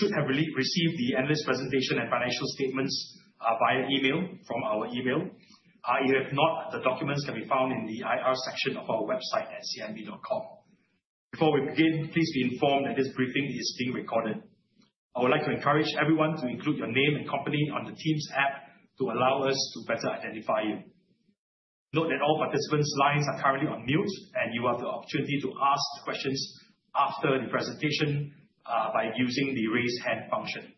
You have received the analyst presentation and financial statements via email from our email. If not, the documents can be found in the IR section of our website at cimb.com. Before we begin, please be informed that this briefing is being recorded. I would like to encourage everyone to include your name and company on the Teams app to allow us to better identify you. Note that all participants' lines are currently on mute, and you have the opportunity to ask questions after the presentation by using the raise hand function.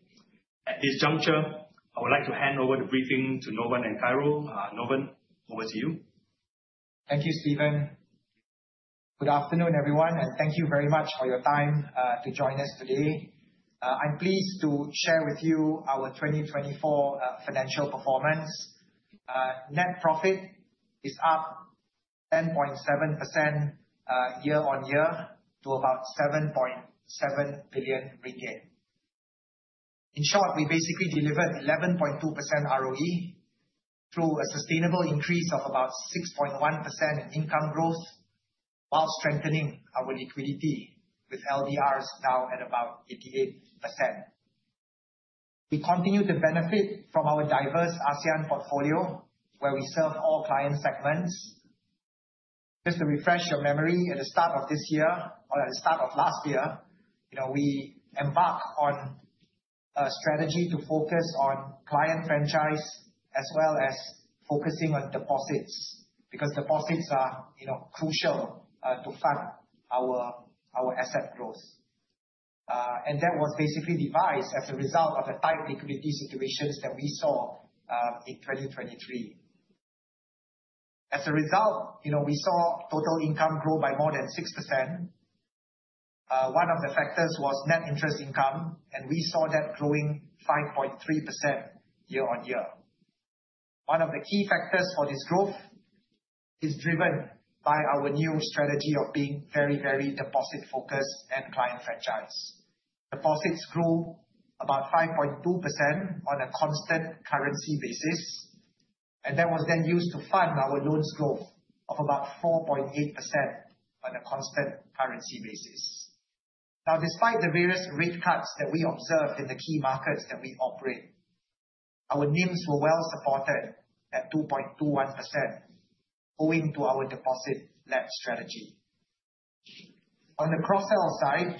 At this juncture, I would like to hand over the briefing to Novan and Kairo. Novan, over to you. Thank you, Steven. Good afternoon, everyone, and thank you very much for your time to join us today. I am pleased to share with you our 2024 financial performance. Net profit is up 10.7% year-on-year to about 7.7 billion ringgit. In short, we basically delivered 11.2% ROE through a sustainable increase of about 6.1% income growth while strengthening our liquidity with LDRs now at about 88%. We continue to benefit from our diverse ASEAN portfolio where we serve all client segments. Just to refresh your memory, at the start of this year or at the start of last year, we embarked on a strategy to focus on client franchise as well as focusing on deposits, because deposits are crucial to fund our asset growth. That was basically devised as a result of the tight liquidity situations that we saw in 2023. As a result, we saw total income grow by more than 6%. One of the factors was net interest income, we saw that growing 5.3% year-on-year. One of the key factors for this growth is driven by our new strategy of being very deposit-focused and client franchise. Deposits grew about 5.2% on a constant currency basis, that was then used to fund our loans growth of about 4.8% on a constant currency basis. Despite the various rate cuts that we observed in the key markets that we operate, our NIMs were well supported at 2.21%, owing to our deposit-led strategy. On the cross-sell side,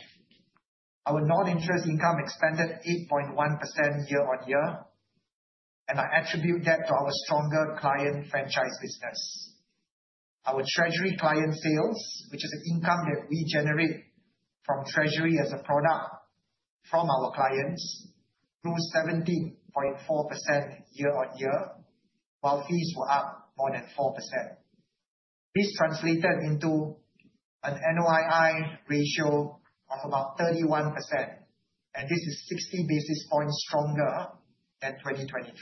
our non-interest income expanded 8.1% year-on-year, I attribute that to our stronger client franchise business. Our treasury client sales, which is an income that we generate from treasury as a product from our clients, grew 17.4% year-on-year, while fees were up more than 4%. This translated into an NOII ratio of about 31%, this is 60 basis points stronger than 2023.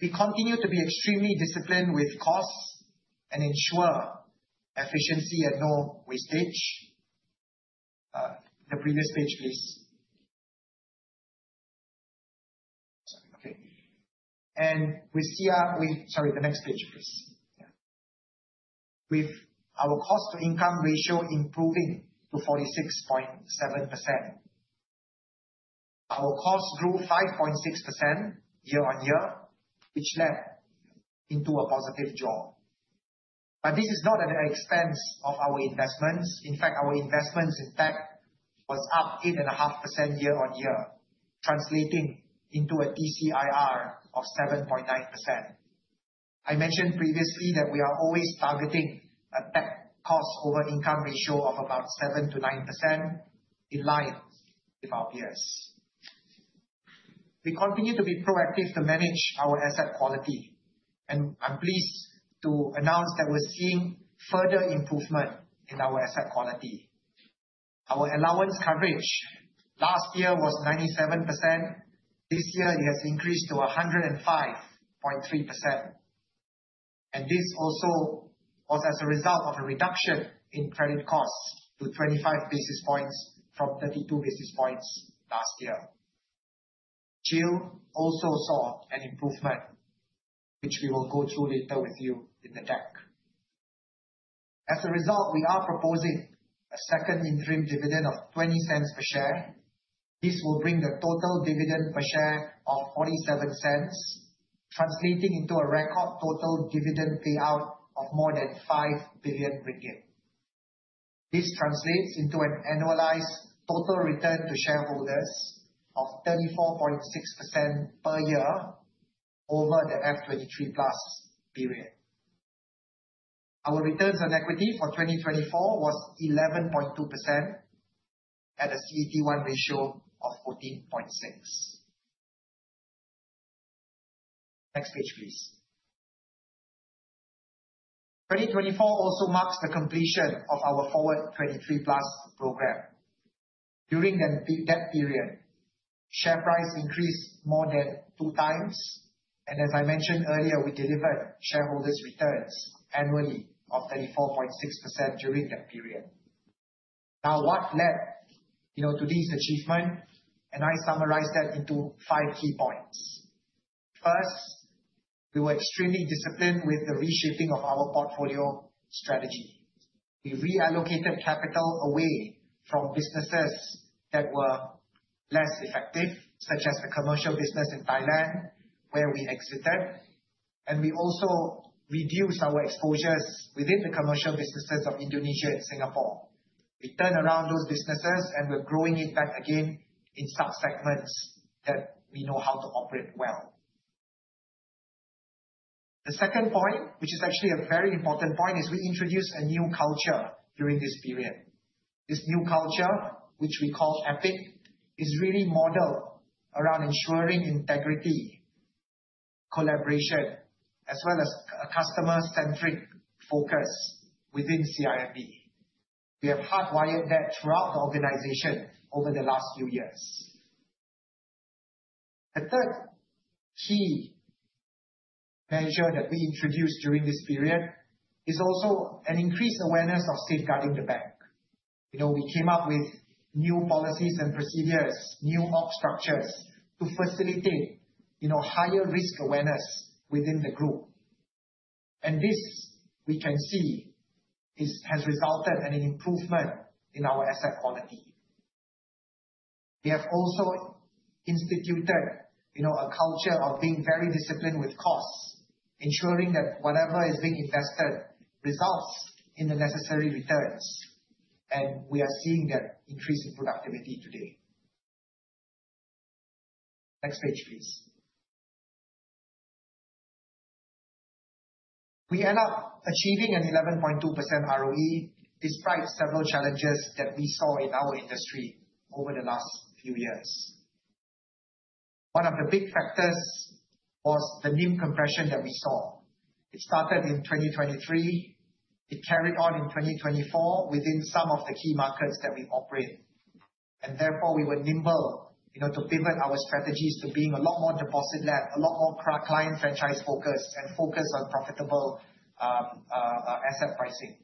We continue to be extremely disciplined with costs and ensure efficiency at no wastage. The previous page, please. Sorry. Okay. The next page, please. With our cost-to-income ratio improving to 46.7%, our costs grew 5.6% year-on-year, which led into a positive draw. This is not at the expense of our investments. In fact, our investments in tech was up 8.5% year-on-year, translating into a TCIR of 7.9%. I mentioned previously that we are always targeting a tech cost-over-income ratio of about 7%-9%, in line with our peers. We continue to be proactive to manage our asset quality, and I'm pleased to announce that we're seeing further improvement in our asset quality. Our allowance coverage last year was 97%. This year it has increased to 105.3%, and this also was as a result of a reduction in credit costs to 25 basis points from 32 basis points last year. GIL also saw an improvement, which we will go through later with you in the deck. As a result, we are proposing a second interim dividend of 0.20 per share. This will bring the total dividend per share of 0.47, translating into a record total dividend payout of more than 5 billion ringgit. This translates into an annualized total return to shareholders of 34.6% per year over the F23+ period. Our returns on equity for 2024 was 11.2% at a CET1 ratio of 14.6. Next page, please. 2024 also marks the completion of our Forward23+ program. During that period, share price increased more than two times, and as I mentioned earlier, we delivered shareholders' returns annually of 34.6% during that period. Now, what led to this achievement? I summarized that into five key points. First, we were extremely disciplined with the reshaping of our portfolio strategy. We reallocated capital away from businesses that were less effective, such as the commercial business in Thailand, where we exited. We also reduced our exposures within the commercial businesses of Indonesia and Singapore. We turned around those businesses, and we're growing it back again in sub-segments that we know how to operate well. The second point, which is actually a very important point, is we introduced a new culture during this period. This new culture, which we call EPIC, is really modeled around ensuring integrity, collaboration, as well as a customer-centric focus within CIMB. We have hardwired that throughout the organization over the last few years. The third key measure that we introduced during this period is also an increased awareness of safeguarding the bank. We came up with new policies and procedures, new org structures to facilitate higher risk awareness within the group. This, we can see, has resulted in an improvement in our asset quality. We have also instituted a culture of being very disciplined with costs, ensuring that whatever is being invested results in the necessary returns, and we are seeing that increase in productivity today. Next page, please. We end up achieving an 11.2% ROE despite several challenges that we saw in our industry over the last few years. One of the big factors was the NIM compression that we saw. It started in 2023. It carried on in 2024 within some of the key markets that we operate. Therefore, we were nimble to pivot our strategies to being a lot more deposit-led, a lot more client franchise focused, and focused on profitable asset pricing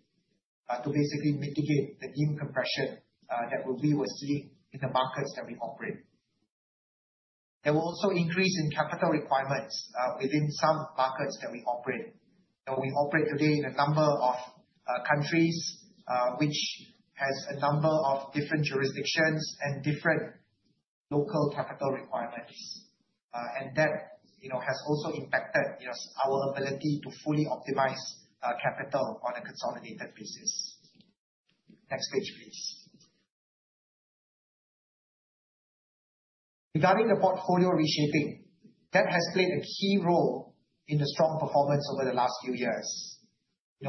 to basically mitigate the NIM compression that we were seeing in the markets that we operate. There were also increase in capital requirements within some markets that we operate. We operate today in a number of countries, which has a number of different jurisdictions and different local capital requirements. That has also impacted our ability to fully optimize capital on a consolidated basis. Next page, please. Regarding the portfolio reshaping, that has played a key role in the strong performance over the last few years.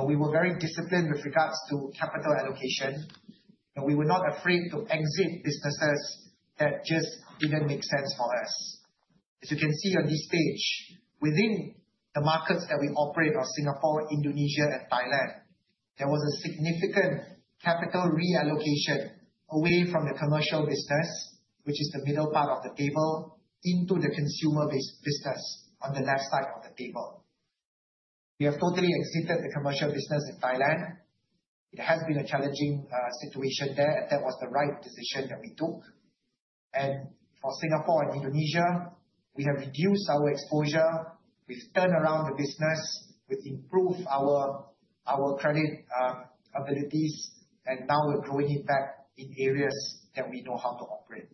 We were very disciplined with regards to capital allocation, and we were not afraid to exit businesses that just didn't make sense for us. As you can see on this page, within the markets that we operate are Singapore, Indonesia, and Thailand. There was a significant capital reallocation away from the commercial business, which is the middle part of the table, into the consumer-based business on the left side of the table. We have totally exited the commercial business in Thailand. It has been a challenging situation there. That was the right decision that we took. For Singapore and Indonesia, we have reduced our exposure. We've turned around the business. We've improved our credit abilities, and now we're growing it back in areas that we know how to operate.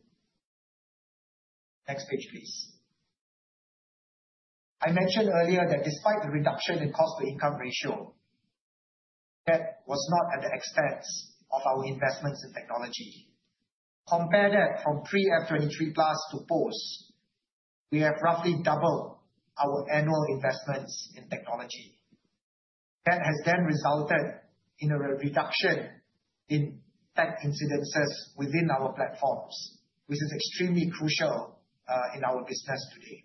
Next page, please. I mentioned earlier that despite the reduction in cost-to-income ratio, that was not at the expense of our investments in technology. Compare that from pre-F23+ to post, we have roughly doubled our annual investments in technology. That has then resulted in a reduction in attack incidences within our platforms, which is extremely crucial in our business today.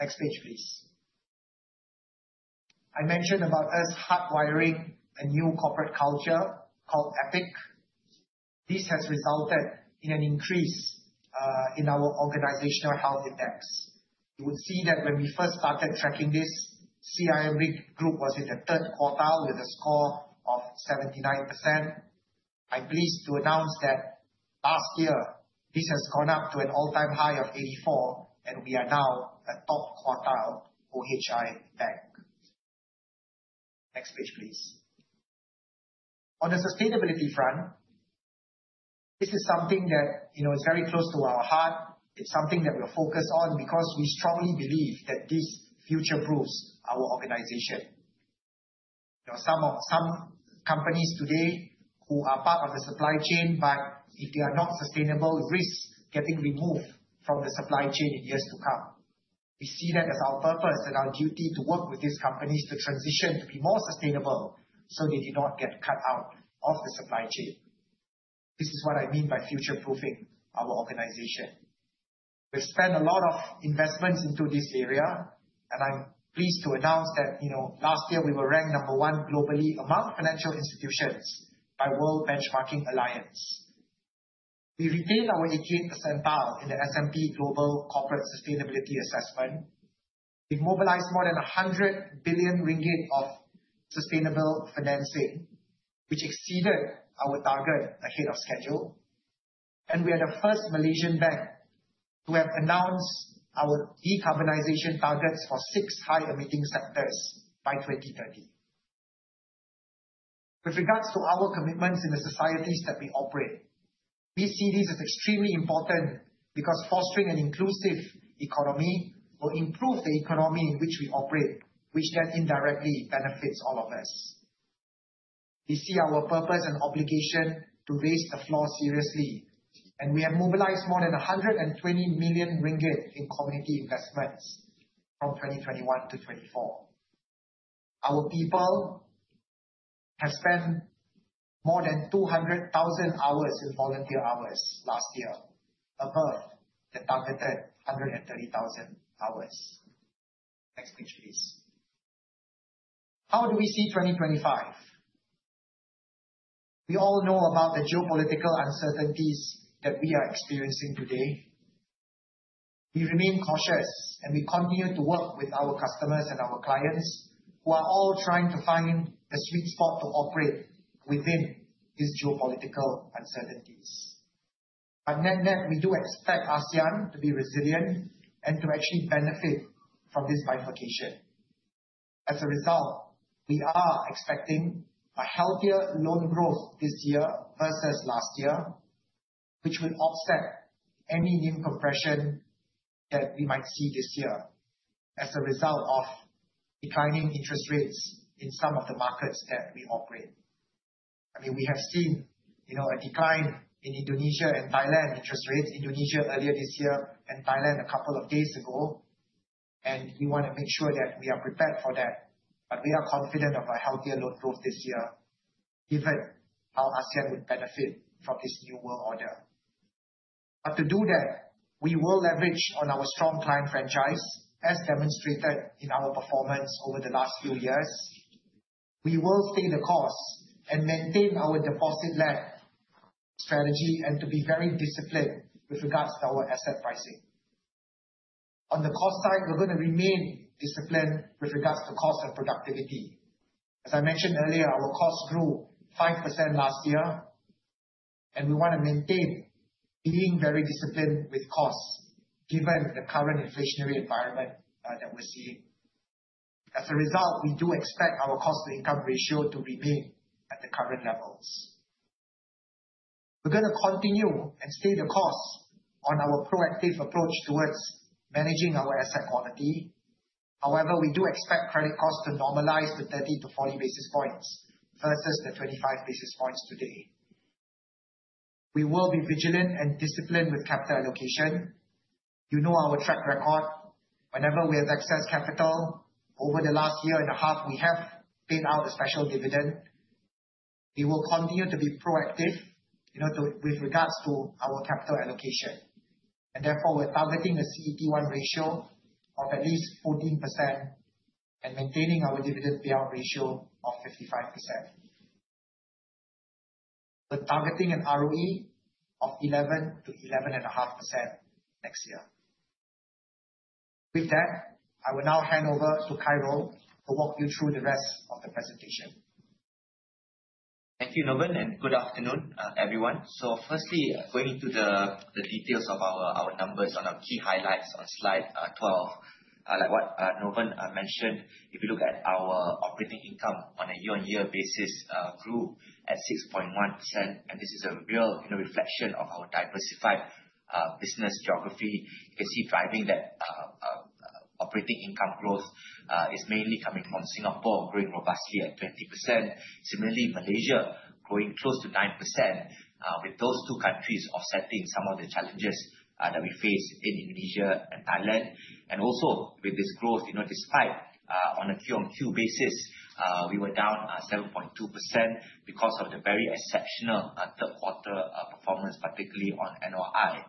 Next page, please. I mentioned about us hardwiring a new corporate culture called EPIC. This has resulted in an increase in our organizational health index. You would see that when we first started tracking this, CIMB Group was in the third quartile with a score of 79%. I'm pleased to announce that last year, this has gone up to an all-time high of 84, and we are now a top quartile OHI bank. Next page, please. On the sustainability front, this is something that is very close to our heart. It's something that we are focused on because we strongly believe that this future-proofs our organization. There are some companies today who are part of the supply chain, but if they are not sustainable, risk getting removed from the supply chain in years to come. We see that as our purpose and our duty to work with these companies to transition to be more sustainable so they do not get cut out of the supply chain. This is what I mean by future-proofing our organization. We've spent a lot of investments into this area, and I'm pleased to announce that last year we were ranked number one globally among financial institutions by World Benchmarking Alliance. We retained our 18th percentile in the S&P Global Corporate Sustainability Assessment. We've mobilized more than 100 billion ringgit of sustainable financing, which exceeded our target ahead of schedule, and we are the first Malaysian bank to have announced our decarbonization targets for six high-emitting sectors by 2030. With regards to our commitments in the societies that we operate, we see this as extremely important because fostering an inclusive economy will improve the economy in which we operate, which then indirectly benefits all of us. We see our purpose and obligation to raise the floor seriously, and we have mobilized more than 120 million ringgit in community investments from 2021 to 2024. Our people have spent more than 200,000 hours in volunteer hours last year, above the targeted 130,000 hours. Next page, please. How do we see 2025? We all know about the geopolitical uncertainties that we are experiencing today. We remain cautious, and we continue to work with our customers and our clients who are all trying to find a sweet spot to operate within these geopolitical uncertainties. At net, we do expect ASEAN to be resilient and to actually benefit from this bifurcation. As a result, we are expecting a healthier loan growth this year versus last year, which would offset any NIM compression that we might see this year as a result of declining interest rates in some of the markets that we operate. We have seen a decline in Indonesia and Thailand interest rates, Indonesia earlier this year and Thailand a couple of days ago, and we want to make sure that we are prepared for that. We are confident of a healthier loan growth this year, given how ASEAN would benefit from this new world order. To do that, we will leverage on our strong client franchise, as demonstrated in our performance over the last few years. We will stay the course and maintain our deposit-led strategy and to be very disciplined with regards to our asset pricing. On the cost side, we're going to remain disciplined with regards to cost and productivity. As I mentioned earlier, our costs grew 5% last year, and we want to maintain being very disciplined with costs given the current inflationary environment that we're seeing. As a result, we do expect our cost-to-income ratio to remain at the current levels. We're going to continue and stay the course on our proactive approach towards managing our asset quality. However, we do expect credit costs to normalize to 30 to 40 basis points versus the 25 basis points today. We will be vigilant and disciplined with capital allocation. You know our track record. Whenever we have excess capital, over the last year and a half, we have paid out a special dividend. We will continue to be proactive with regards to our capital allocation. Therefore, we're targeting a CET1 ratio of at least 14% and maintaining our dividend payout ratio of 55%. We're targeting an ROE of 11% to 11.5% next year. With that, I will now hand over to Khairul to walk you through the rest of the presentation. Thank you, Novan, and good afternoon, everyone. Firstly, going into the details of our numbers on our key highlights on Slide 12. Like what Novan mentioned, if you look at our operating income on a year-on-year basis, grew at 6.1%, and this is a real reflection of our diversified business geography. You can see driving that operating income growth is mainly coming from Singapore, growing robustly at 20%. Similarly, Malaysia growing close to 9% with those two countries offsetting some of the challenges that we face in Indonesia and Thailand. Also with this growth, despite on a Q on Q basis, we were down, 7.2% because of the very exceptional third quarter performance, particularly on NOI.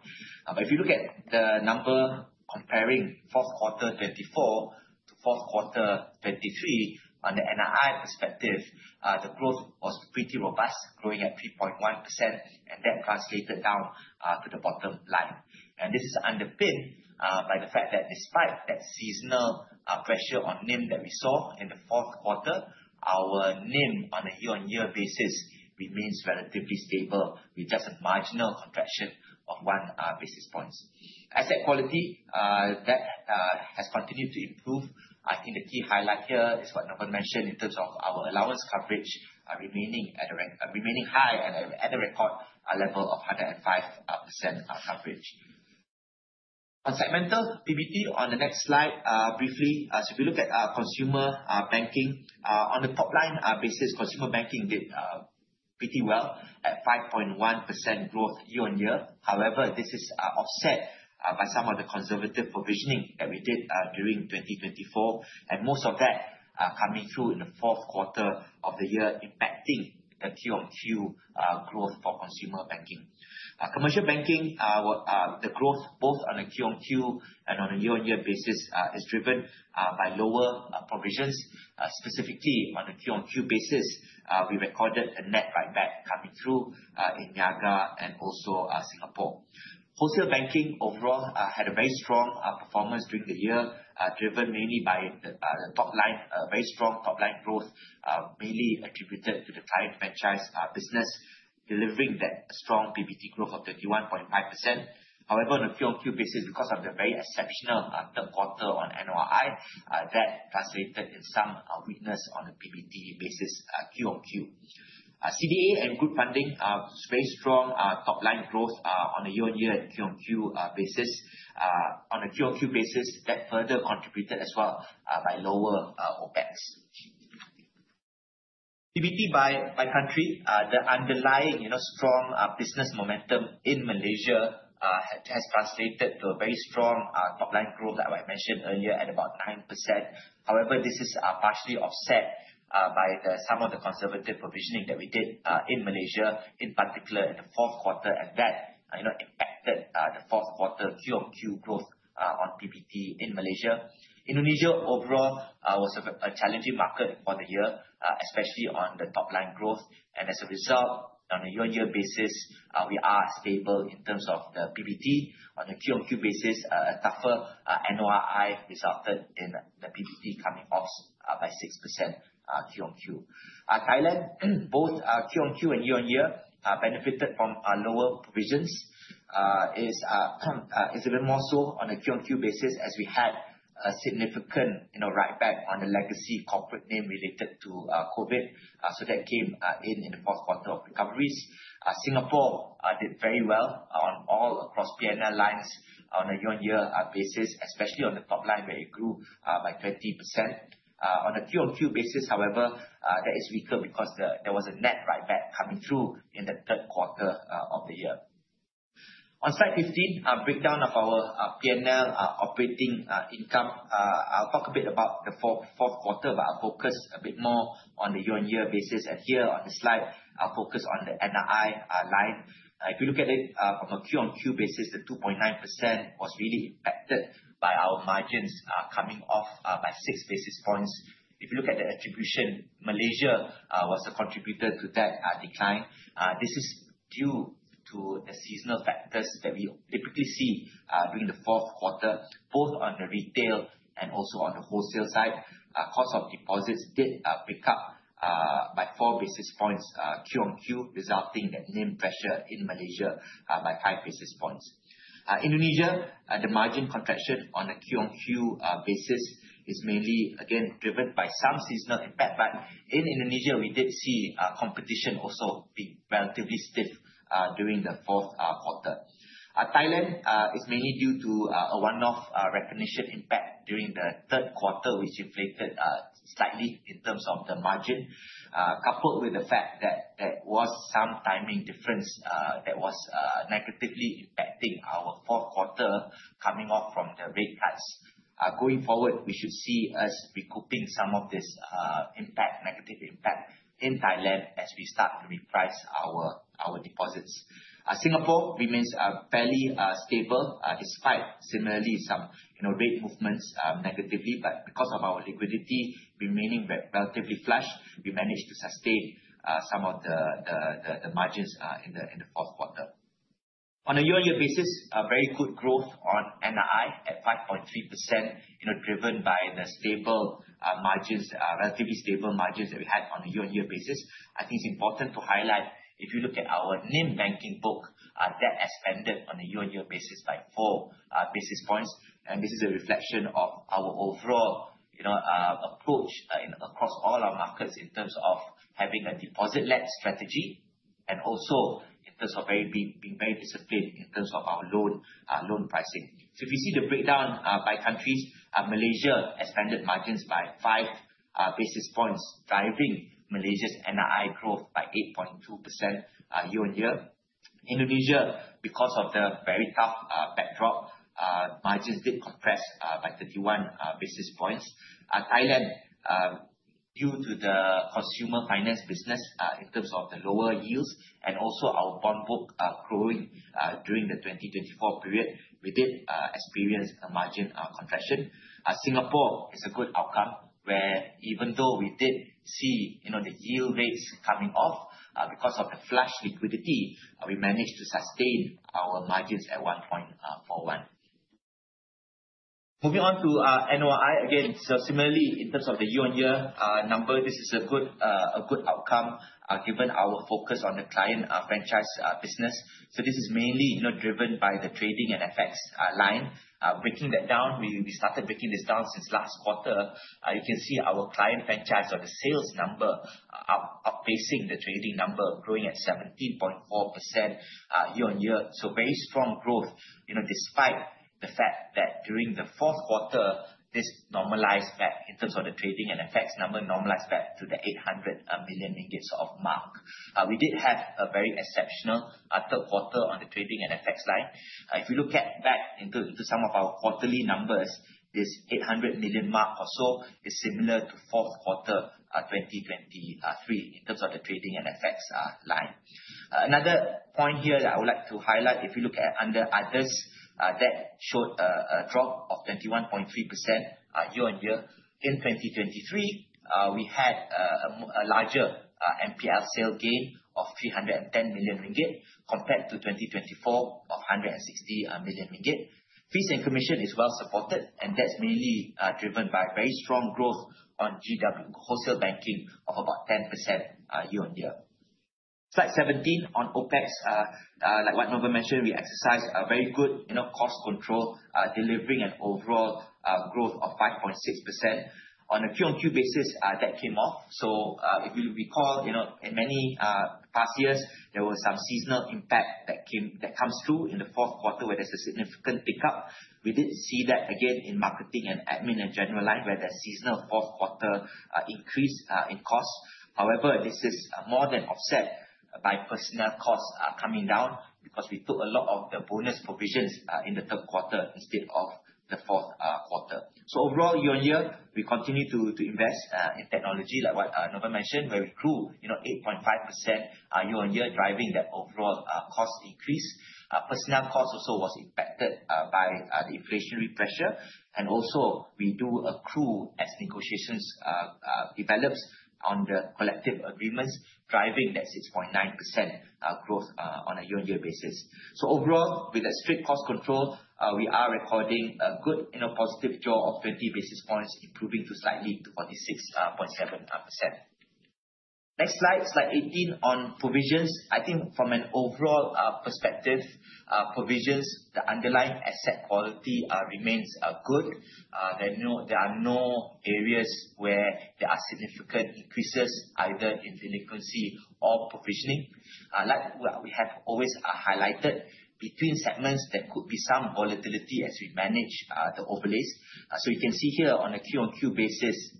If you look at the number comparing fourth quarter 2024 to fourth quarter 2023 on the NOI perspective, the growth was pretty robust, growing at 3.1%, and that translated down to the bottom line. This is underpinned by the fact that despite that seasonal pressure on NIM that we saw in the fourth quarter, our NIM on a year-on-year basis remains relatively stable with just a marginal contraction of one basis point. Asset quality, that has continued to improve. I think the key highlight here is what Novan mentioned in terms of our allowance coverage remaining high at a record level of 105% coverage. On segmentality on the next slide, briefly, if you look at consumer banking, on a top-line basis, consumer banking did pretty well at 5.1% growth year-on-year. However, this is offset by some of the conservative provisioning that we did during 2024, and most of that coming through in the fourth quarter of the year, impacting a QOQ growth for consumer banking. Commercial banking, the growth both on a QOQ and on a year-on-year basis, is driven by lower provisions, specifically on a QOQ basis, we recorded a net write-back coming through, in Niaga and also Singapore. Wholesale banking overall had a very strong performance during the year, driven mainly by the top line. A very strong top line growth, mainly attributed to the client franchise business delivering that strong PBT growth of 31.5%. However, on a QOQ basis, because of the very exceptional third quarter on NOI, that translated in some weakness on a PBT basis, QOQ. CDA and group funding, very strong top line growth on a year-on-year and QOQ basis. On a QOQ basis, that further contributed as well, by lower OpEx. PBT by country, the underlying strong business momentum in Malaysia, has translated to a very strong top line growth, as I mentioned earlier, at about 10%. However, this is partially offset by some of the conservative provisioning that we did in Malaysia, in particular in the fourth quarter, and that impacted the fourth quarter QOQ growth on PBT in Malaysia. Indonesia overall, was a challenging market for the year, especially on the top line growth. As a result, on a year-on-year basis, we are stable in terms of the PBT. On a QOQ basis, a tougher NOI resulted in the PBT coming off by 6% QOQ. Thailand, both QOQ and year-on-year, benefited from lower provisions, is a little more so on a QOQ basis as we had a significant write-back on the legacy corporate name related to COVID. That came in the fourth quarter of recoveries. Singapore did very well on all across PNL lines on a year-on-year basis, especially on the top line, where it grew by 30%. On a QOQ basis, however, that is weaker because there was a net write-back coming through in the third quarter of the year. On slide 15, a breakdown of our PNL operating income. I'll talk a bit about the fourth quarter, but I'll focus a bit more on the year-on-year basis. Here on the slide, I'll focus on the NII line. If you look at it, from a quarter-over-quarter basis, the 2.9% was really impacted by our margins coming off by 6 basis points. If you look at the attribution, Malaysia was a contributor to that decline. This is due to the seasonal factors that we typically see during the fourth quarter, both on the retail and also on the wholesale side. Cost of deposits did pick up by 4 basis points quarter-over-quarter, resulting in NIM pressure in Malaysia by 5 basis points. Indonesia, the margin contraction on a quarter-over-quarter basis is mainly again driven by some seasonal impact. In Indonesia, we did see competition also being relatively stiff during the fourth quarter. Thailand is mainly due to a one-off recognition impact during the third quarter, which inflated slightly in terms of the margin. Coupled with the fact that there was some timing difference, that was negatively impacting our fourth quarter coming off from the rate cuts. Going forward, we should see us recouping some of this negative impact in Thailand as we start to reprice our deposits. Singapore remains fairly stable, despite similarly some rate movements negatively. Because of our liquidity remaining relatively flush, we managed to sustain some of the margins in the fourth quarter. On a year-on-year basis, a very good growth on NII at 5.3%, driven by the relatively stable margins that we had on a year-on-year basis. I think it's important to highlight, if you look at our NIM banking book, that expanded on a year-on-year basis by 4 basis points. This is a reflection of our overall approach across all our markets in terms of having a deposit-led strategy, and also in terms of being very disciplined in terms of our loan pricing. If you see the breakdown by countries, Malaysia expanded margins by 5 basis points, driving Malaysia's NII growth by 8.2% year-on-year. Indonesia, because of the very tough backdrop, margins did compress by 31 basis points. Thailand, due to the consumer finance business, in terms of the lower yields and also our bond book growing during the 2024 period, we did experience a margin compression. Singapore is a good outcome, where even though we did see the yield rates coming off, because of the flush liquidity, we managed to sustain our margins at 1.41. Moving on to NOI. Again, similarly, in terms of the year-on-year number, this is a good outcome, given our focus on the client franchise business. This is mainly driven by the trading and effects line. Breaking that down, we started breaking this down since last quarter. You can see our client franchise or the sales number outpacing the trading number, growing at 17.4% year-on-year. Very strong growth, despite the fact that during the fourth quarter, this normalized back in terms of the trading and effects number, normalized back to the 800 million ringgit mark. We did have a very exceptional third quarter on the trading and effects line. If you look back into some of our quarterly numbers, this 800 million mark or so is similar to fourth quarter 2023 in terms of the trading and effects line. Another point here that I would like to highlight, if you look at under others, showed a drop of 21.3% year-on-year. In 2023, we had a larger NPL sale gain of 310 million ringgit compared to 2024 of 160 million ringgit. Fees and commission is well supported, that's mainly driven by very strong growth on GW Wholesale Banking of about 10% year-on-year. Slide 17 on OpEx. Like what Novan mentioned, we exercise a very good cost control, delivering an overall growth of 5.6%. On a quarter-on-quarter basis, that came off. If you recall, in many past years, there was some seasonal impact that comes through in the fourth quarter where there's a significant pickup. We did see that again in marketing and admin and general line, where the seasonal fourth quarter increase in costs. This is more than offset by personnel costs coming down because we took a lot of the bonus provisions in the third quarter instead of the fourth quarter. Overall, year-on-year, we continue to invest in technology like what Novan mentioned, where we grew 8.5% year-on-year, driving that overall cost increase. Personnel cost also was impacted by the inflationary pressure, we do accrue as negotiations develop on the collective agreements, driving that 6.9% growth on a year-on-year basis. Overall, with a strict cost control, we are recording a good positive jaw of 20 basis points, improving slightly to 46.7%. Next slide 18 on provisions. From an overall perspective, provisions, the underlying asset quality remains good. There are no areas where there are significant increases either in delinquency or provisioning. Like we have always highlighted between segments, there could be some volatility as we manage the overlays. You can see here on a quarter-on-quarter basis,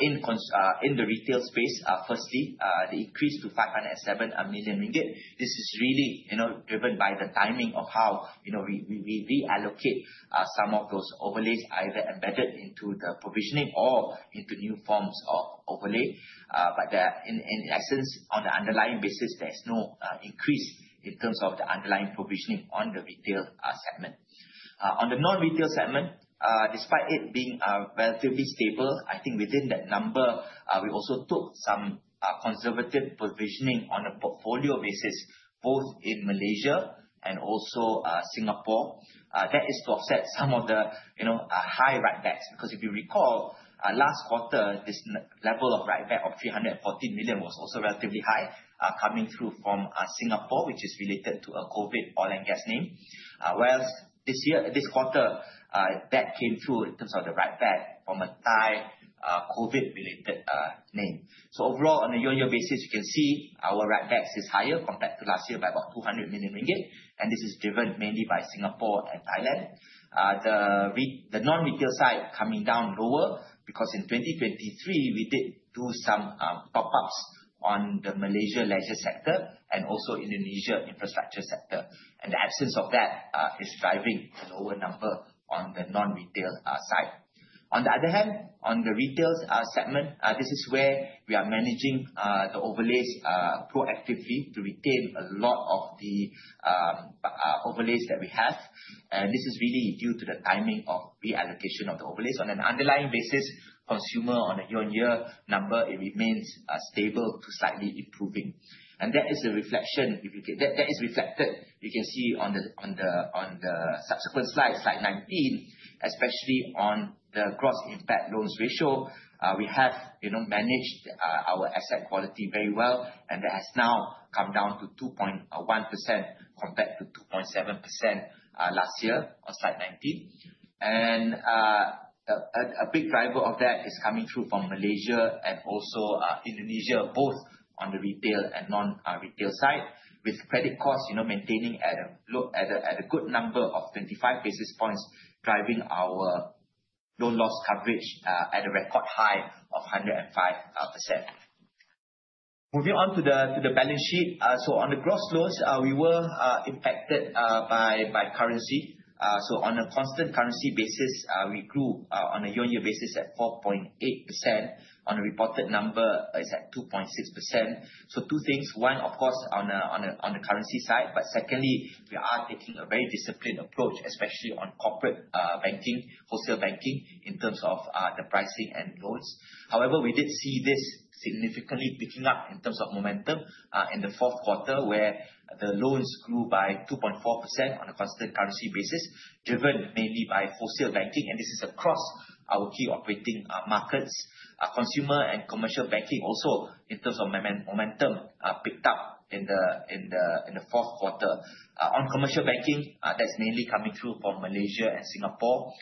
in the retail space, firstly, the increase to 507 million ringgit. This is really driven by the timing of how we reallocate some of those overlays either embedded into the provisioning or into new forms of overlay. In essence, on the underlying basis, there's no increase in terms of the underlying provisioning on the retail segment. On the non-retail segment, despite it being relatively stable, within that number, we also took some conservative provisioning on a portfolio basis, both in Malaysia and also Singapore. That is to offset some of the high write-backs because if you recall, last quarter, this level of write-back of 340 million was also relatively high, coming through from Singapore, which is related to a COVID oil and gas name. This quarter, that came through in terms of the write-back from a Thai COVID-related name. Overall, on a year-on-year basis, you can see our write-backs is higher compared to last year by about 200 million ringgit, this is driven mainly by Singapore and Thailand. The non-retail side coming down lower because in 2023, we did do some pop-ups on the Malaysia leisure sector and also Indonesia infrastructure sector. The absence of that is driving a lower number on the non-retail side. On the other hand, on the retail segment, this is where we are managing the overlays proactively to retain a lot of the overlays that we have. This is really due to the timing of reallocation of the overlays. On an underlying basis, consumer on a year-on-year number, it remains stable to slightly improving. That is reflected, you can see on the subsequent slide 19, especially on the Gross Impaired Loans ratio. We have managed our asset quality very well, and that has now come down to 2.1% compared to 2.7% last year on slide 19. A big driver of that is coming through from Malaysia and also Indonesia, both on the retail and non-retail side, with credit costs maintaining at a good number of 25 basis points, driving our loan loss coverage at a record high of 105%. Moving on to the balance sheet. On the gross loans, we were impacted by currency. On a constant currency basis, we grew on a year-on-year basis at 4.8%. On a reported number, it's at 2.6%. Two things. One, of course, on the currency side. Secondly, we are taking a very disciplined approach, especially on Corporate Banking, Wholesale Banking, in terms of the pricing and loans. However, we did see this significantly picking up in terms of momentum in the fourth quarter, where the loans grew by 2.4% on a constant currency basis, driven mainly by Wholesale Banking, and this is across our key operating markets. Consumer and Commercial Banking also, in terms of momentum, picked up in the fourth quarter. On Commercial Banking, that's mainly coming through from Malaysia and Singapore.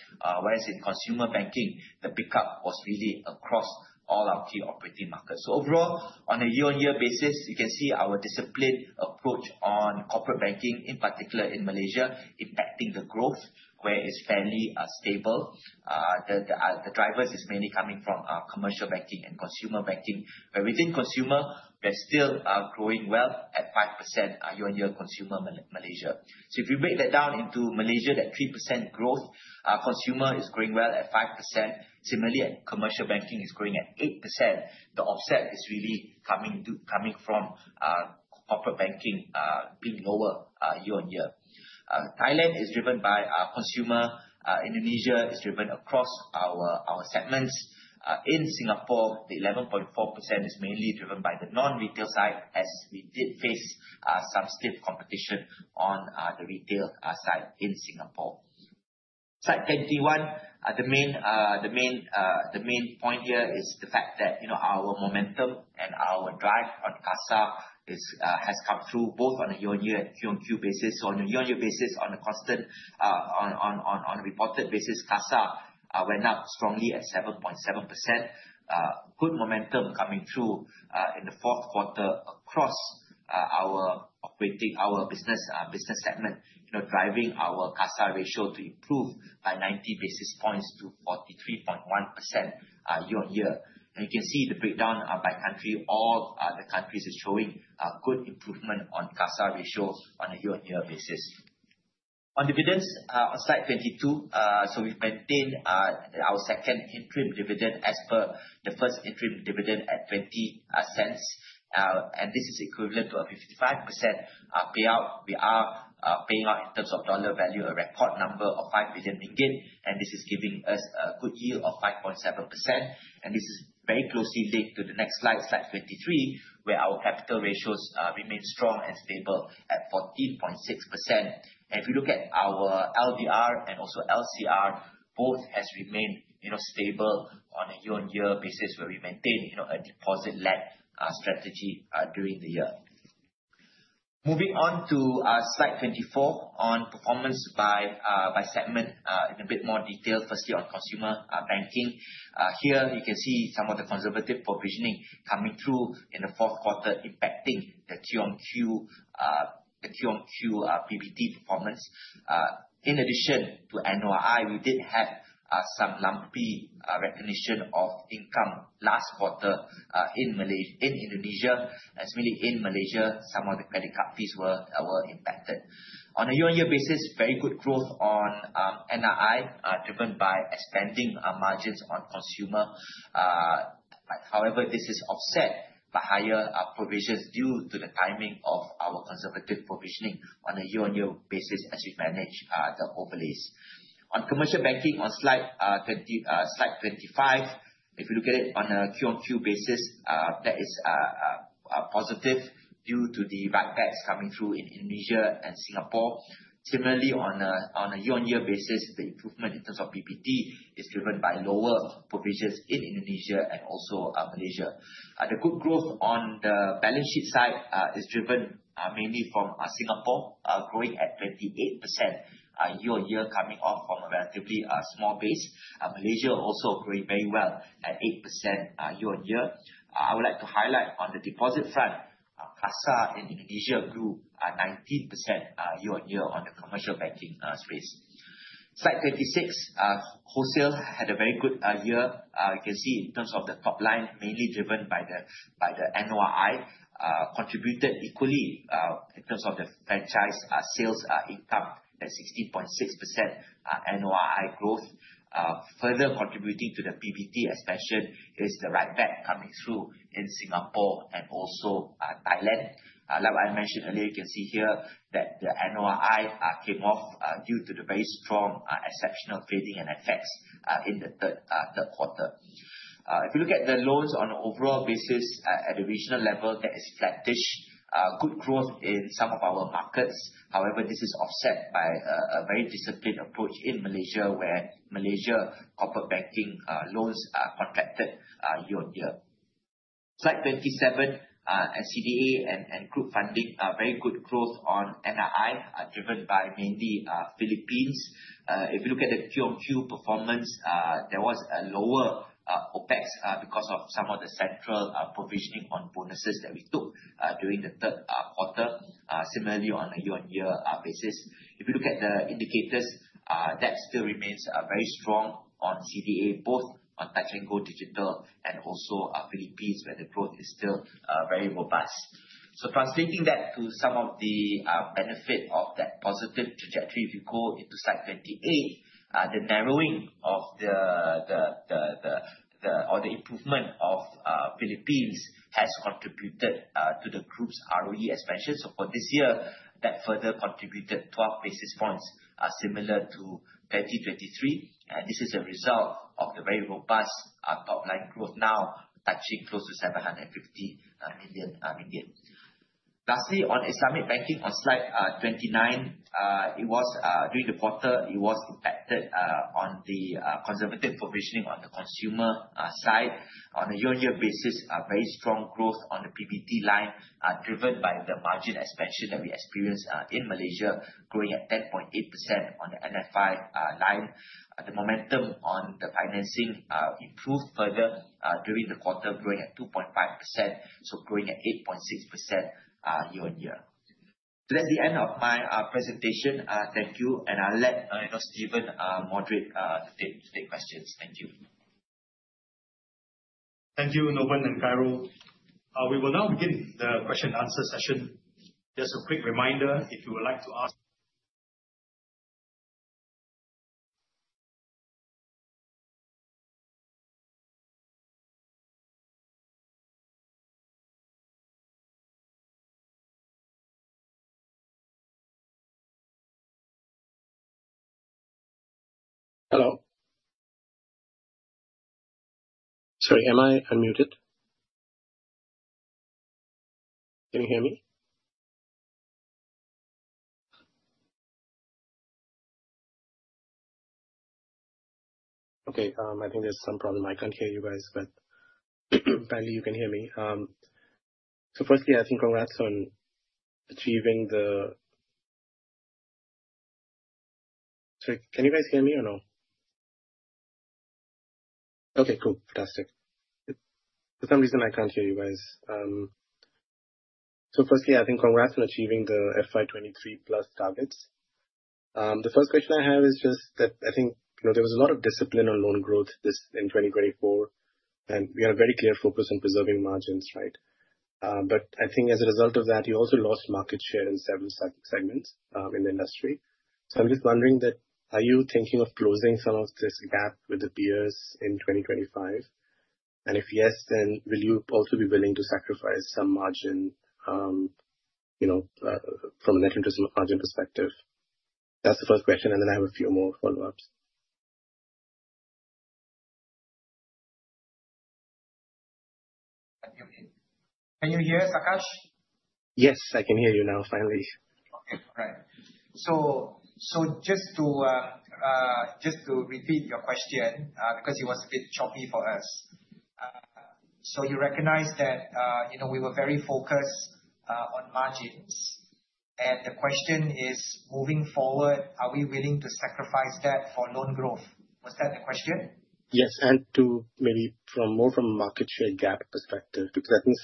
Whereas in Consumer Banking, the pickup was really across all our key operating markets. Overall, on a year-on-year basis, you can see our disciplined approach on Corporate Banking, in particular in Malaysia, impacting the growth where it's fairly stable. The drivers is mainly coming from Commercial Banking and Consumer Banking, where within Consumer, we're still growing well at 5% year-on-year Consumer Malaysia. If you break that down into Malaysia, that 3% growth, Consumer is growing well at 5%. Similarly, Commercial Banking is growing at 8%. The offset is really coming from Corporate Banking being lower year-on-year. Thailand is driven by our Consumer. Indonesia is driven across our segments. In Singapore, the 11.4% is mainly driven by the non-retail side, as we did face some stiff competition on the retail side in Singapore. Slide 21. The main point here is the fact that our momentum and our drive on CASA has come through both on a year-on-year and Q on Q basis. On a year-on-year basis, on a reported basis, CASA went up strongly at 7.7%. Good momentum coming through, in the fourth quarter across our business segment, driving our CASA ratio to improve by 90 basis points to 43.1% year-on-year. You can see the breakdown by country. All the countries are showing good improvement on CASA ratios on a year-on-year basis. On dividends, slide 22. We've maintained our second interim dividend as per the first interim dividend at 0.20. This is equivalent to a 55% payout. We are paying out, in terms of dollar value, a record number of 5 billion ringgit, and this is giving us a good yield of 5.7%. This is very closely linked to the next slide 23, where our capital ratios remain strong and stable at 14.6%. If you look at our LDR and also LCR, both have remained stable on a year-on-year basis where we maintain a deposit-led strategy during the year. Moving on to slide 24 on performance by segment, in a bit more detail, firstly, on consumer banking. Here you can see some of the conservative provisioning coming through in the fourth quarter, impacting the Q-on-Q PBT performance. In addition to NOI, we did have some lumpy recognition of income last quarter, in Indonesia, and similarly in Malaysia, some of the credit card fees were impacted. On a year-on-year basis, very good growth on NII, driven by expanding our margins on consumer. However, this is offset by higher provisions due to the timing of our conservative provisioning on a year-on-year basis as we manage the overlays. On commercial banking on slide 25. If you look at it on a Q-on-Q basis, that is positive due to the write-backs coming through in Indonesia and Singapore. Similarly, on a year-on-year basis, the improvement in terms of PBT is driven by lower provisions in Indonesia and also Malaysia. The good growth on the balance sheet side is driven mainly from Singapore, growing at 28% year-on-year, coming off from a relatively small base. Malaysia also growing very well at 8% year-on-year. I would like to highlight on the deposit front, CASA in Indonesia grew 19% year-on-year on the commercial banking space. Slide 26. Wholesale had a very good year. You can see in terms of the top line, mainly driven by the NOI, contributed equally, in terms of the franchise sales income at 16.6% NOI growth. Further contributing to the PBT expansion is the write-back coming through in Singapore and also Thailand. Like what I mentioned earlier, you can see here that the NOI came off due to the very strong exceptional trading and FX in the third quarter. If you look at the loans on an overall basis at a regional level, that is flattish. Good growth in some of our markets. However, this is offset by a very disciplined approach in Malaysia, where Malaysia corporate banking loans contracted year-on-year. Slide 27. At CDA and group funding, very good growth on NII, driven by mainly Philippines. If you look at the Q-on-Q performance, there was a lower OpEx because of some of the central provisioning on bonuses that we took during the third quarter. Similarly, on a year-on-year basis, if you look at the indicators, that still remains very strong on CDA, both on Touch 'n Go digital and also Philippines, where the growth is still very robust. Translating that to some of the benefit of that positive trajectory, if you go into slide 28, the narrowing or the improvement of Philippines has contributed to the group's ROE expansion. For this year, that further contributed 12 basis points, similar to 2023. This is a result of the very robust top-line growth now touching close to 750 million. Lastly, on Islamic banking on slide 29, during the quarter, it was impacted on the conservative provisioning on the consumer side. On a year-on-year basis, very strong growth on the PBT line, driven by the margin expansion that we experienced, in Malaysia, growing at 10.8% on the NFI line. The momentum on the financing improved further during the quarter, growing at 2.5%, growing at 8.6% year-on-year. That's the end of my presentation. Thank you. I'll let Steven moderate to take questions. Thank you. Thank you, Novan and Khairul. We will now begin the question and answer session. Just a quick reminder, if you would like to ask Hello. Sorry, am I unmuted? Can you hear me? Okay. I think there's some problem. I can't hear you guys, but apparently you can hear me. Firstly, I think congrats on achieving the Sorry, can you guys hear me or no? Okay, cool. Fantastic. For some reason I can't hear you guys. Firstly, I think congrats on achieving the FY23 plus targets. The first question I have is just that I think, there was a lot of discipline on loan growth in 2024, and we are very clear focused on preserving margins, right? I think as a result of that, you also lost market share in several segments in the industry. I'm just wondering that, are you thinking of closing some of this gap with the peers in 2025? If yes, will you also be willing to sacrifice some margin, from a net interest margin perspective? That's the first question, I have a few more follow-ups. Can you hear, Akash? Yes, I can hear you now, finally. Okay, great. Just to repeat your question, because it was a bit choppy for us. You recognize that we were very focused on margins. The question is, moving forward, are we willing to sacrifice that for loan growth? Was that the question? Yes. Maybe more from a market share gap perspective, because I think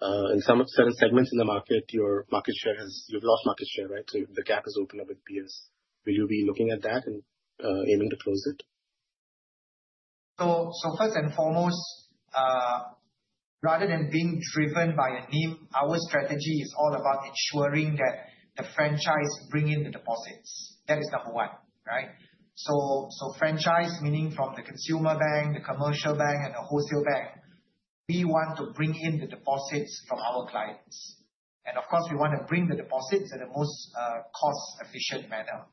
in certain segments in the market, you've lost market share, right? The gap has opened up with peers. Will you be looking at that and aiming to close it? First and foremost, rather than being driven by a NIM, our strategy is all about ensuring that the franchise bring in the deposits. That is number one, right? Franchise meaning from the consumer bank, the commercial bank, and the wholesale bank, we want to bring in the deposits from our clients. Of course, we want to bring the deposits in the most cost-efficient manner.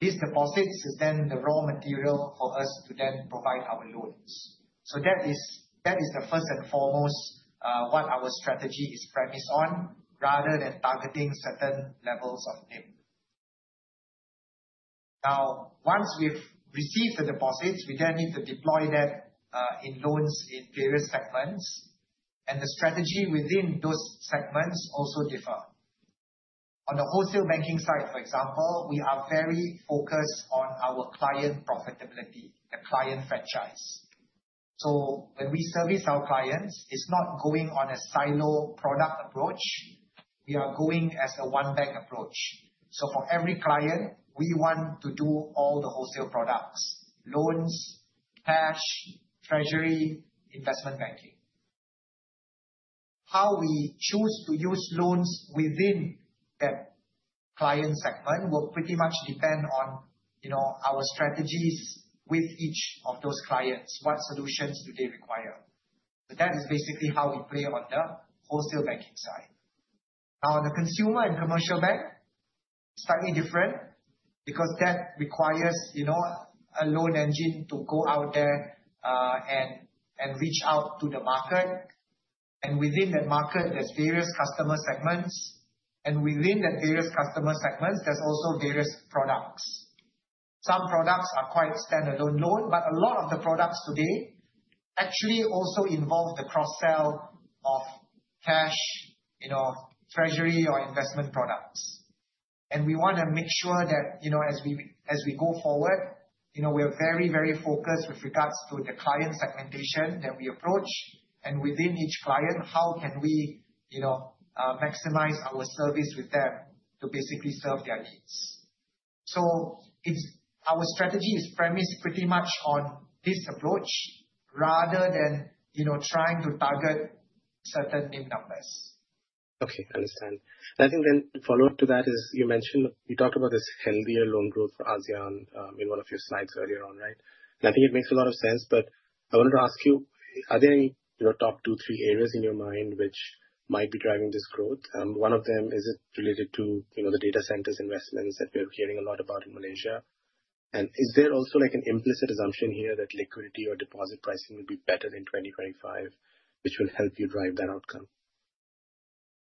These deposits is then the raw material for us to then provide our loans. That is the first and foremost, what our strategy is premised on rather than targeting certain levels of NIM. Once we've received the deposits, we then need to deploy that, in loans in various segments. The strategy within those segments also differ. On the wholesale banking side, for example, we are very focused on our client profitability, the client franchise. When we service our clients, it's not going on a silo product approach. We are going as a one bank approach. For every client, we want to do all the wholesale products, loans, cash, treasury, investment banking. How we choose to use loans within that client segment will pretty much depend on our strategies with each of those clients, what solutions do they require. That is basically how we play on the wholesale banking side. Now, on the consumer and commercial bank, slightly different because that requires a loan engine to go out there and reach out to the market. Within that market, there's various customer segments, and within the various customer segments, there's also various products. Some products are quite standalone loan, but a lot of the products today actually also involve the cross-sell of cash, treasury or investment products. We want to make sure that as we go forward, we're very, very focused with regards to the client segmentation that we approach. Within each client, how can we maximize our service with them to basically serve their needs. Our strategy is premised pretty much on this approach rather than trying to target certain NIM numbers. Okay, understand. I think then a follow-up to that is, you talked about this healthier loan growth for ASEAN, in one of your slides earlier on, right? I think it makes a lot of sense, but I wanted to ask you, are there any top two, three areas in your mind which might be driving this growth? One of them, is it related to the data centers investments that we're hearing a lot about in Malaysia? Is there also like an implicit assumption here that liquidity or deposit pricing will be better in 2025, which will help you drive that outcome?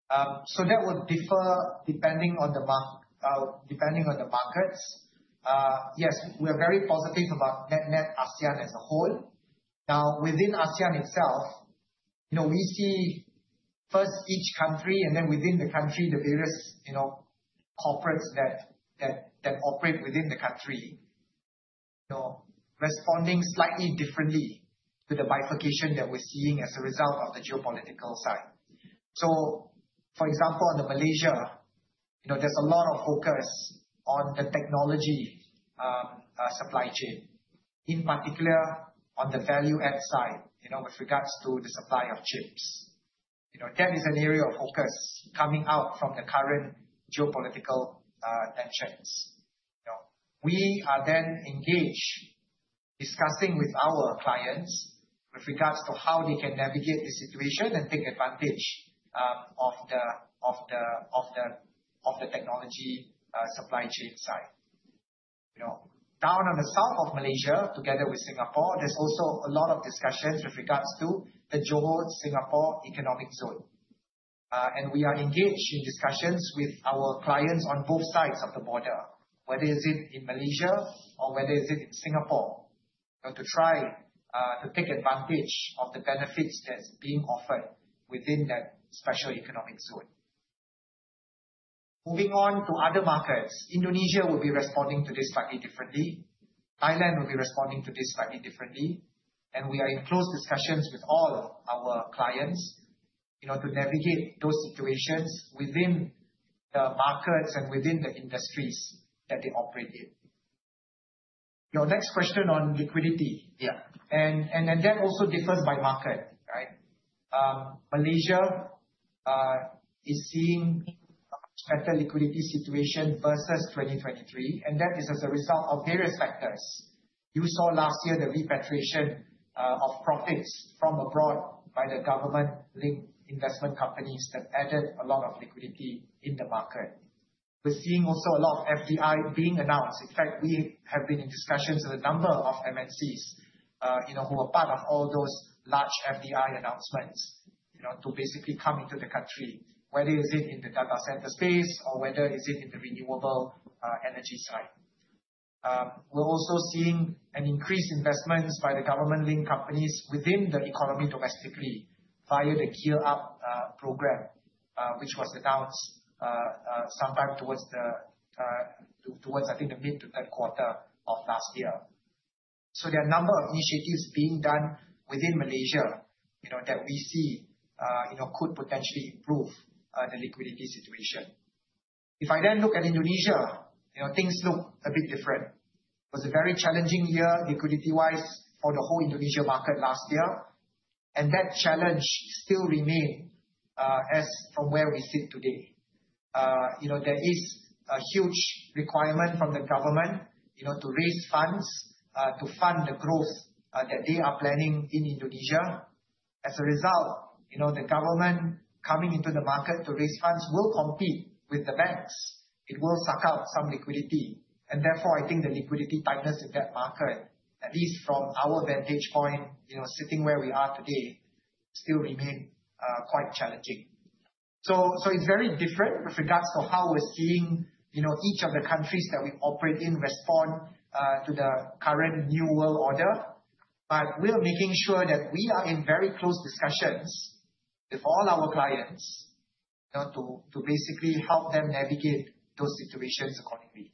That would differ depending on the markets. Yes, we are very positive about net ASEAN as a whole. Now, within ASEAN itself, we see first each country and then within the country, the various corporates that operate within the country, responding slightly differently to the bifurcation that we're seeing as a result of the geopolitical side. For example, in Malaysia, there's a lot of focus on the technology supply chain, in particular on the value add side, with regards to the supply of chips. That is an area of focus coming out from the current geopolitical tensions. We are then engaged, discussing with our clients with regards to how they can navigate the situation and take advantage of the technology supply chain side. Down in the south of Malaysia, together with Singapore, there's also a lot of discussions with regards to the Johor-Singapore economic zone. We are engaged in discussions with our clients on both sides of the border, whether it's in Malaysia or whether it's in Singapore, to try to take advantage of the benefits that's being offered within that special economic zone. Moving on to other markets, Indonesia will be responding to this slightly differently. Thailand will be responding to this slightly differently. We are in close discussions with all our clients, to navigate those situations within the markets and within the industries that they operate in. Your next question on liquidity. Yeah. That also differs by market. Malaysia is seeing a much better liquidity situation versus 2023, and that is as a result of various factors. You saw last year the repatriation of profits from abroad by the Government-Linked Investment Companies that added a lot of liquidity in the market. We're seeing also a lot of FDI being announced. In fact, we have been in discussions with a number of MNCs, who were part of all those large FDI announcements, to basically come into the country, whether it is in the data center space or whether it is in the renewable energy side. We're also seeing an increased investments by the Government-Linked Companies within the economy domestically via the GEAR-uP program, which was announced sometime towards, I think, the mid to third quarter of last year. There are a number of initiatives being done within Malaysia, that we see could potentially improve the liquidity situation. If I then look at Indonesia, things look a bit different. It was a very challenging year, liquidity-wise, for the whole Indonesia market last year, and that challenge still remain, as from where we sit today. There is a huge requirement from the government, to raise funds, to fund the growth that they are planning in Indonesia. As a result, the government coming into the market to raise funds will compete with the banks. It will suck out some liquidity, and therefore, I think the liquidity tightness in that market, at least from our vantage point, sitting where we are today, still remain quite challenging. It's very different with regards to how we're seeing each of the countries that we operate in respond to the current new world order. We're making sure that we are in very close discussions with all our clients to basically help them navigate those situations accordingly.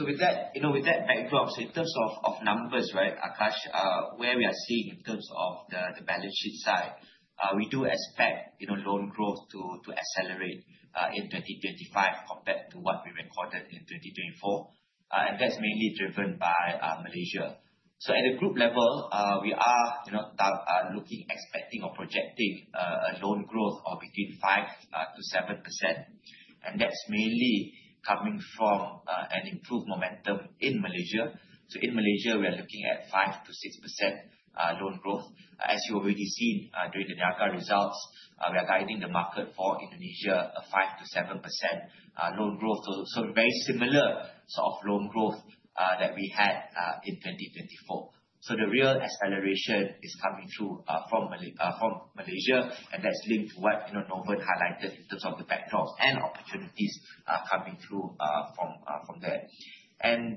With that backdrop, in terms of numbers, Akash, where we are seeing in terms of the balance sheet side, we do expect loan growth to accelerate in 2025 compared to what we recorded in 2024. That's mainly driven by Malaysia. At a group level, we are looking, expecting, or projecting a loan growth of between 5%-7%, and that's mainly coming from an improved momentum in Malaysia. In Malaysia, we are looking at 5%-6% loan growth. As you already seen during the Niaga results, we are guiding the market for Indonesia a 5%-7% loan growth. Very similar sort of loan growth that we had in 2024. The real acceleration is coming through from Malaysia, and that's linked to what Novan highlighted in terms of the backdrops and opportunities coming through from there.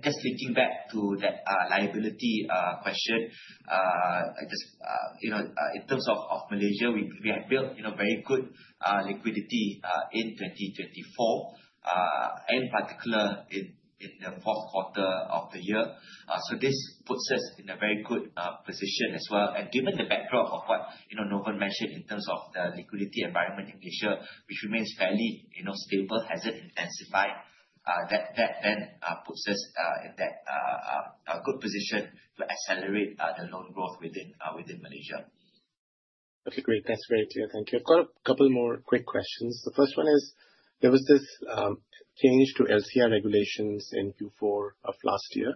Just linking back to that liability question, in terms of Malaysia, we have built very good liquidity in 2024, in particular in the fourth quarter of the year. This puts us in a very good position as well. Given the backdrop of what Novan mentioned in terms of the liquidity environment in Malaysia, which remains fairly stable, hasn't intensified, that then puts us in that good position to accelerate the loan growth within Malaysia. Okay, great. That's very clear. Thank you. I've got a couple more quick questions. The first one is, there was this change to LCR regulations in Q4 of last year.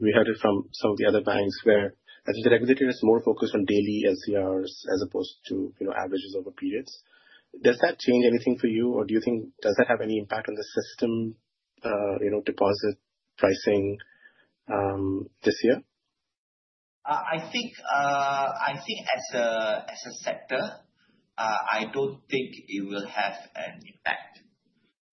We heard it from some of the other banks where the regulator is more focused on daily LCRs as opposed to averages over periods. Does that change anything for you, or does that have any impact on the system deposit pricing this year? I think as a sector, I don't think it will have an impact.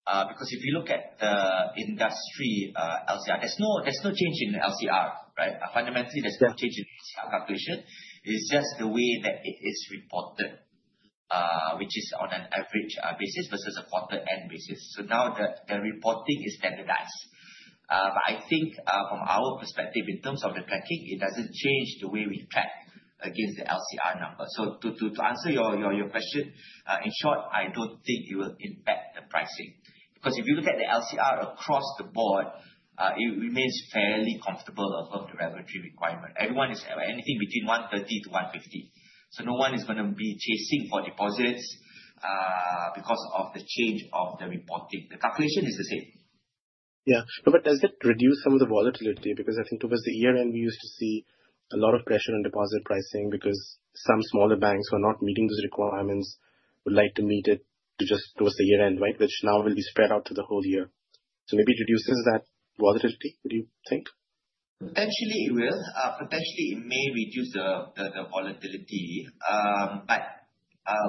If you look at the industry, LCR, there's no change in LCR, right? Fundamentally, there's no change in LCR calculation. It's just the way that it is reported, which is on an average basis versus a quarter end basis. Now the reporting is standardized. I think, from our perspective, in terms of the tracking, it doesn't change the way we track against the LCR number. To answer your question, in short, I don't think it will impact the pricing. If you look at the LCR across the board, it remains fairly comfortable above the regulatory requirement. Everyone is anything between 130%-150%. No one is going to be chasing for deposits, because of the change of the reporting. The calculation is the same Yeah. Does it reduce some of the volatility? Because I think towards the year-end, we used to see a lot of pressure on deposit pricing because some smaller banks were not meeting those requirements, would like to meet it just towards the year-end, which now will be spread out to the whole year. Maybe it reduces that volatility, do you think? Potentially, it will. Potentially, it may reduce the volatility.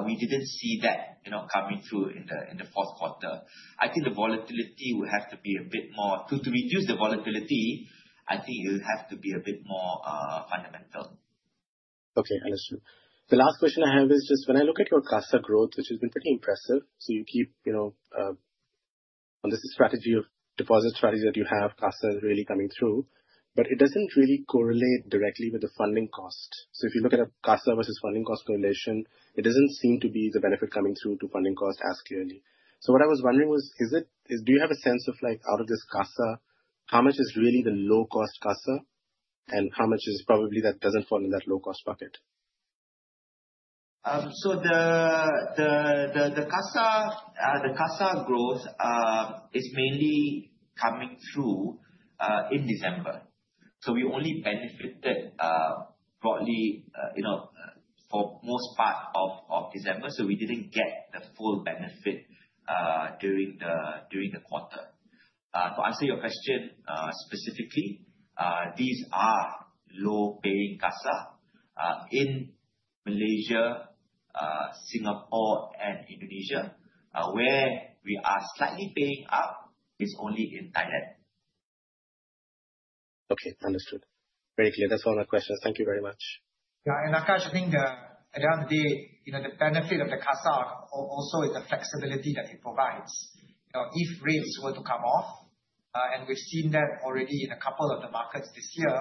We didn't see that coming through in the fourth quarter. To reduce the volatility, I think it will have to be a bit more fundamental. Okay, understood. The last question I have is just when I look at your CASA growth, which has been pretty impressive, you keep on this strategy of deposit strategy that you have, CASA is really coming through. It doesn't really correlate directly with the funding cost. If you look at a CASA versus funding cost correlation, it doesn't seem to be the benefit coming through to funding cost as clearly. What I was wondering was, do you have a sense of, out of this CASA, how much is really the low-cost CASA and how much is probably that doesn't fall in that low-cost bucket? The CASA growth is mainly coming through in December. We only benefited broadly, for most part of December, we didn't get the full benefit during the quarter. To answer your question specifically, these are low-paying CASA in Malaysia, Singapore, and Indonesia, where we are slightly paying up is only in Thailand. Okay, understood. Very clear. That's all my questions. Thank you very much. Yeah. Akash, I think at the end of the day, the benefit of the CASA also is the flexibility that it provides. If rates were to come off, and we've seen that already in a couple of the markets this year,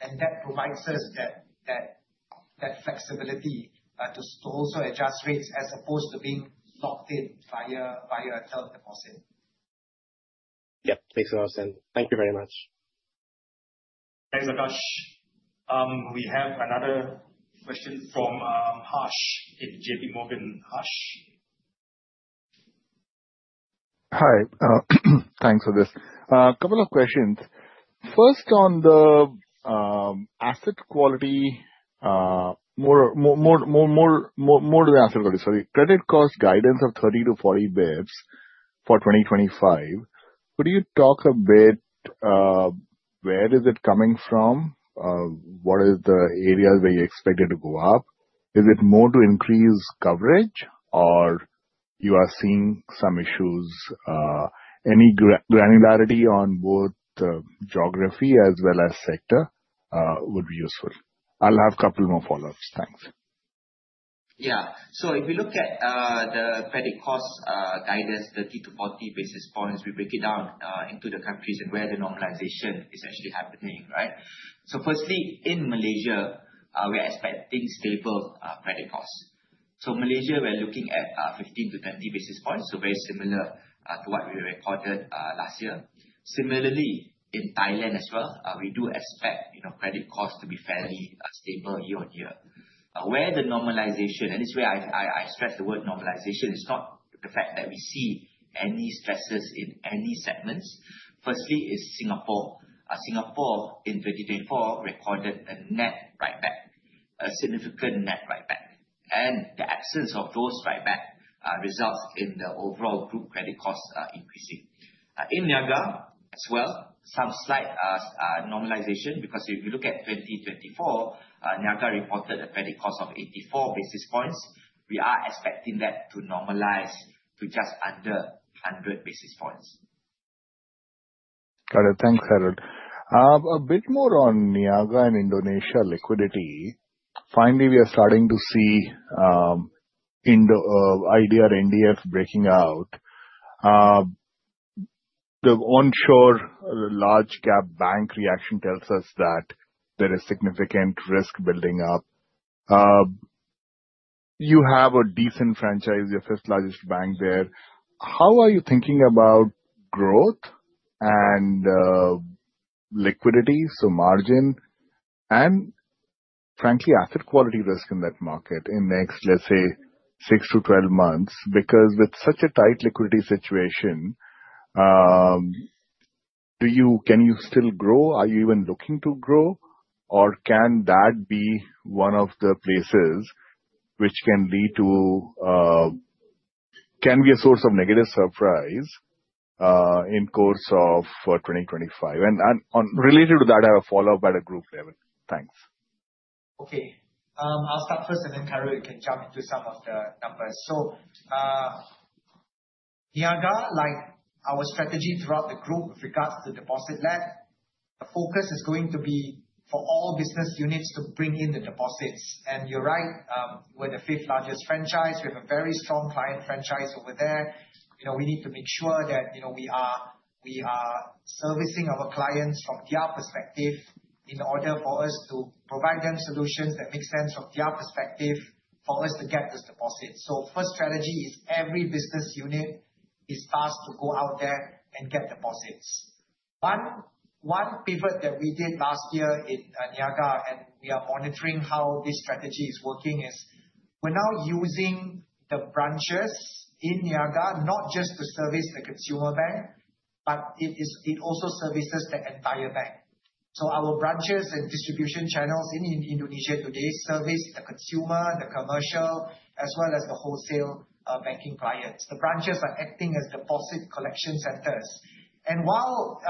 and that provides us that flexibility to also adjust rates as opposed to being locked in via a term deposit. Yep. Makes a lot of sense. Thank you very much. Thanks, Akash. We have another question from Harsh at J.P. Morgan. Harsh? Hi. Thanks for this. A couple of questions. First, on the asset quality, more to the asset quality, sorry. Credit cost guidance of 30 to 40 basis points for 2025. Could you talk a bit, where is it coming from? What is the areas where you expect it to go up? Is it more to increase coverage or you are seeing some issues? Any granularity on both the geography as well as sector would be useful. I'll have couple more follow-ups. Thanks. If you look at the credit cost guidance, 30 to 40 basis points, we break it down into the countries and where the normalization is actually happening, right? Firstly, in Malaysia, we're expecting stable credit costs. Malaysia, we're looking at 15 to 20 basis points, very similar to what we recorded last year. Similarly, in Thailand as well, we do expect credit costs to be fairly stable year-on-year. Where the normalization, and this is where I stress the word normalization, is not the fact that we see any stresses in any segments. Firstly, is Singapore. Singapore in 2024 recorded a net write-back, a significant net write-back. The absence of those write-back results in the overall group credit costs increasing. In Niaga as well, some slight normalization, because if you look at 2024, Niaga reported a credit cost of 84 basis points. We are expecting that to normalize to just under 100 basis points. Got it. Thanks, Khairul. A bit more on Niaga and Indonesia liquidity. Finally, we are starting to see IDR NDF breaking out. The onshore large-cap bank reaction tells us that there is significant risk building up. You have a decent franchise, you're fifth largest bank there. How are you thinking about growth and liquidity, so margin, and frankly, asset quality risk in that market in next, let's say, 6 to 12 months? Because with such a tight liquidity situation, can you still grow? Are you even looking to grow? Or can that be one of the places which can be a source of negative surprise, in course of 2025? Related to that, I have a follow-up at a group level. Thanks. I'll start first and then Carol can jump into some of the numbers. Niaga, like our strategy throughout the group with regards to deposit-led, the focus is going to be for all business units to bring in the deposits. You're right, we're the fifth largest franchise. We have a very strong client franchise over there. We need to make sure that we are servicing our clients from their perspective in order for us to provide them solutions that make sense from their perspective for us to get those deposits. First strategy is every business unit is tasked to go out there and get deposits. One pivot that we did last year in Niaga, and we are monitoring how this strategy is working, is We're now using the branches in Niaga, not just to service the consumer bank, but it also services the entire bank. Our branches and distribution channels in Indonesia today service the consumer, the commercial, as well as the wholesale banking clients. The branches are acting as deposit collection centers. While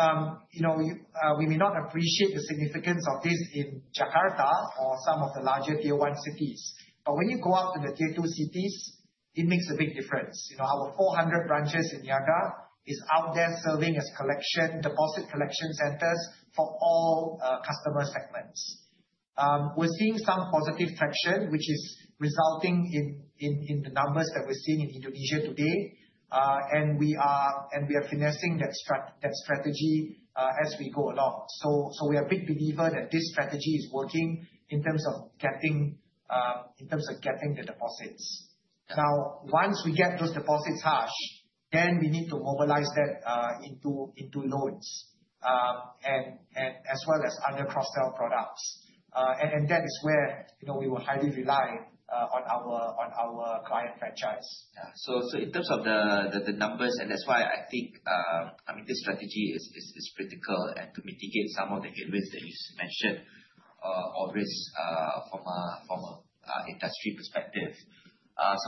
we may not appreciate the significance of this in Jakarta or some of the larger tier 1 cities, when you go out to the tier 2 cities, it makes a big difference. Our 400 branches in Niaga is out there serving as deposit collection centers for all customer segments. We're seeing some positive traction, which is resulting in the numbers that we're seeing in Indonesia today. We are finessing that strategy as we go along. We're a big believer that this strategy is working in terms of getting the deposits. Once we get those deposits, Harsh, then we need to mobilize that into loans, as well as other cross-sell products. That is where we will highly rely on our client franchise. In terms of the numbers, and that's why I think this strategy is critical to mitigate some of the areas that you mentioned, or risk from an industry perspective.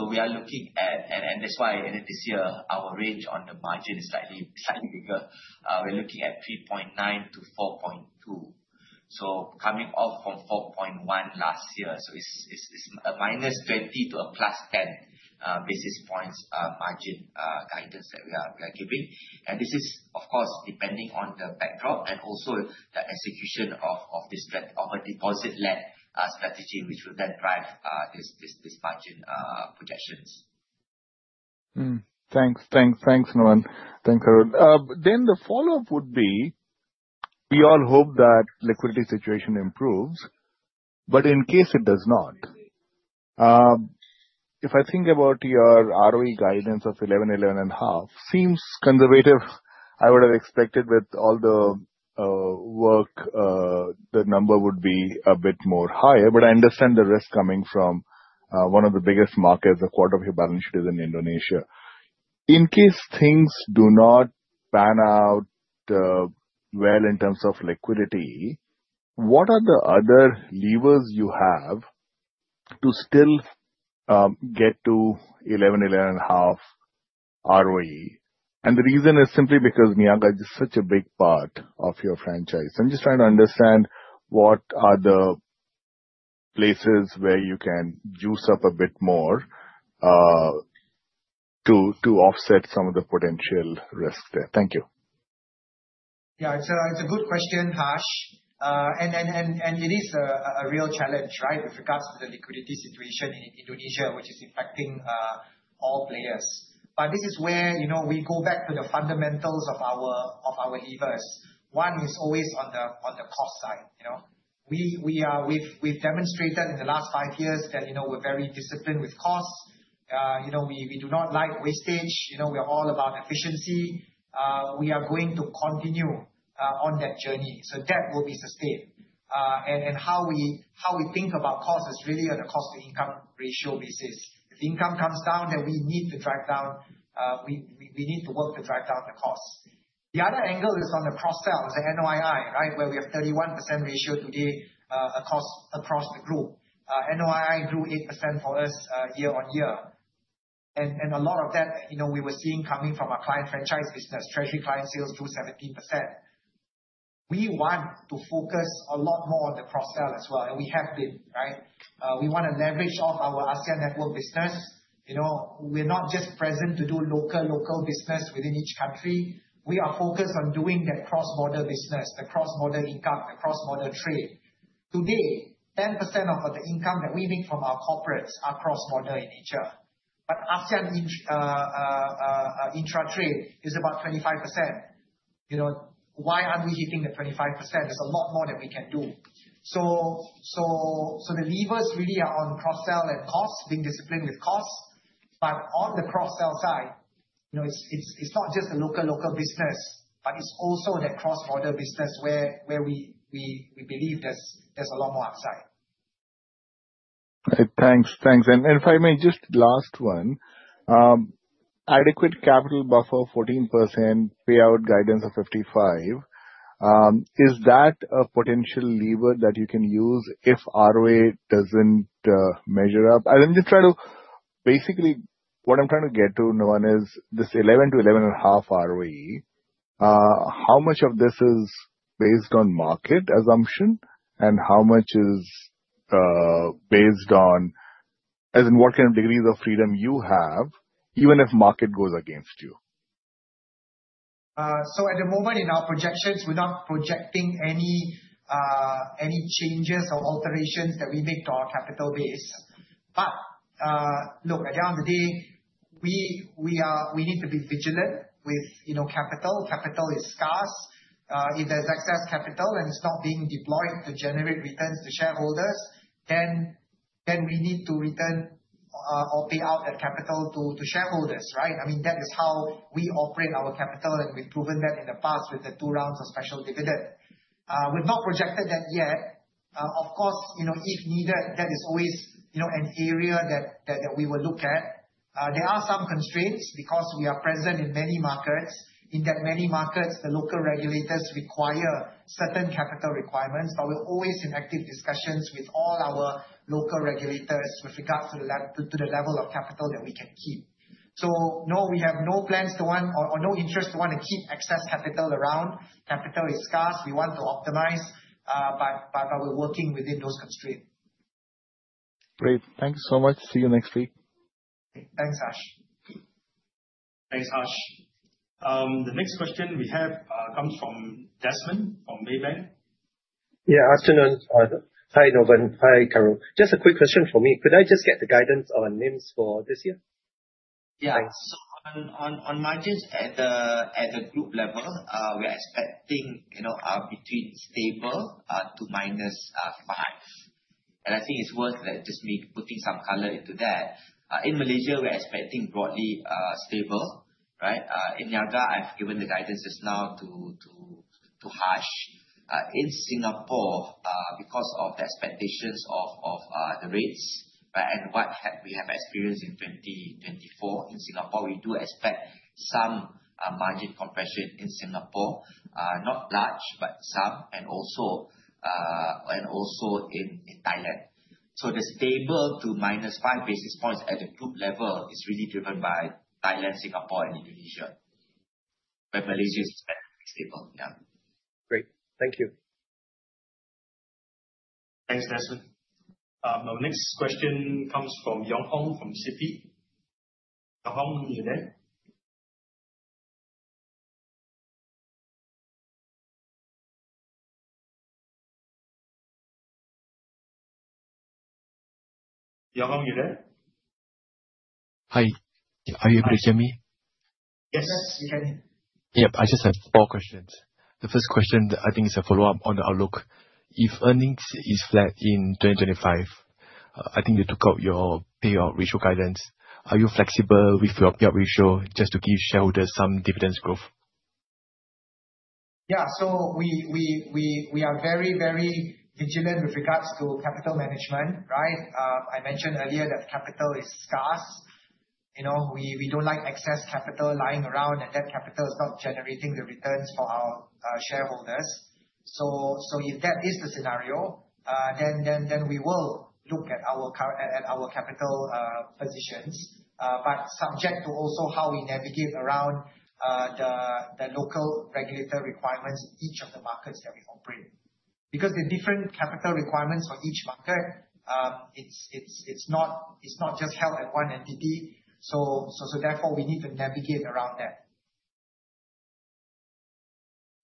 We are looking at, and that's why this year, our range on the margin is slightly bigger. We're looking at 3.9% to 4.2%. Coming off from 4.1% last year, so it's a -20 to a +10 basis points margin guidance that we are giving. This is of course, depending on the backdrop and also the execution of a deposit-led strategy, which will then drive these margin projections. Thanks, Novan. Thanks, Arun. The follow-up would be, we all hope that liquidity situation improves, but in case it does not, if I think about your ROE guidance of 11%, 11.5%, seems conservative. I would've expected with all the work, the number would be a bit more higher. But I understand the risk coming from one of the biggest markets, a quarter of your balance sheet is in Indonesia. In case things do not pan out well in terms of liquidity, what are the other levers you have to still get to 11%, 11.5% ROE? The reason is simply because Niaga is such a big part of your franchise. I'm just trying to understand what are the places where you can juice up a bit more, to offset some of the potential risks there. Thank you. Yeah. It's a good question, Harsh. It is a real challenge, right? With regards to the liquidity situation in Indonesia, which is affecting all players. This is where we go back to the fundamentals of our levers. One is always on the cost side. We've demonstrated in the last five years that we're very disciplined with costs. We do not like wastage. We are all about efficiency. We are going to continue on that journey. That will be sustained. How we think about cost is really on a cost-to-income ratio basis. If income comes down, then we need to work to drive down the costs. The other angle is on the cross-sells, the NOI, right? Where we have 31% ratio today across the group. NOI grew 8% for us year-on-year. A lot of that we were seeing coming from our client franchise business, treasury client sales through 17%. We want to focus a lot more on the cross-sell as well, we have been, right? We want to leverage off our ASEAN network business. We're not just present to do local business within each country. We are focused on doing that cross-border business, the cross-border income, the cross-border trade. Today, 10% of the income that we make from our corporates are cross-border in nature. ASEAN intra-trade is about 25%. Why aren't we hitting the 25%? There's a lot more that we can do. The levers really are on cross-sell and costs, being disciplined with costs. On the cross-sell side, it's not just a local business, but it's also that cross-border business where we believe there's a lot more upside. Thanks. If I may just last one, adequate capital buffer 14%, payout guidance of 55%, is that a potential lever that you can use if ROA doesn't measure up? Basically, what I'm trying to get to, Novan, is this 11%-11.5% ROE, how much of this is based on market assumption and how much is based on as in what kind of degrees of freedom you have, even if market goes against you? At the moment in our projections, we're not projecting any changes or alterations that we make to our capital base. Look, at the end of the day, we need to be vigilant with capital. Capital is scarce. If there's excess capital and it's not being deployed to generate returns to shareholders, then we need to return or pay out that capital to shareholders, right. That is how we operate our capital, and we've proven that in the past with the two rounds of special dividend. We've not projected that yet Of course, if needed, that is always an area that we will look at. There are some constraints because we are present in many markets. In many markets, the local regulators require certain capital requirements, but we're always in active discussions with all our local regulators with regards to the level of capital that we can keep. No, we have no plans to want or no interest to want to keep excess capital around. Capital is scarce, we want to optimize, but we're working within those constraints. Great. Thanks so much. See you next week. Thanks, Harsh. Thanks, Harsh. The next question we have comes from Desmond, from Maybank. Yeah, afternoon. Hi, Novan. Hi, Carol. Just a quick question for me. Could I just get the guidance on NIMs for this year? Yeah. On margins at the group level, we're expecting between stable to minus 5. I think it's worth just me putting some color into that. In Malaysia, we're expecting broadly stable. In Niaga, I've given the guidance just now to Harsh. In Singapore, because of the expectations of the rates, and what we have experienced in 2024 in Singapore, we do expect some margin compression in Singapore. Not large, but some, and also in Thailand. The stable to minus 5 basis points at the group level is really driven by Thailand, Singapore, and Indonesia. Malaysia is stable, yeah. Great. Thank you. Thanks, Desmond. Our next question comes from Yong Hong from Citi. Yong Hong, you there? Hi. Are you able to hear me? Yes, we can. Yep. I just have four questions. The first question, I think, is a follow-up on the outlook. If earnings is flat in 2025, I think you took out your payout ratio guidance. Are you flexible with your payout ratio just to give shareholders some dividends growth? We are very, very vigilant with regards to capital management, right? I mentioned earlier that capital is scarce. We don't like excess capital lying around, and that capital is not generating the returns for our shareholders. If that is the scenario, we will look at our capital positions, but subject to also how we navigate around the local regulator requirements in each of the markets that we operate. Because the different capital requirements for each market, it's not just held at one entity. Therefore, we need to navigate around that.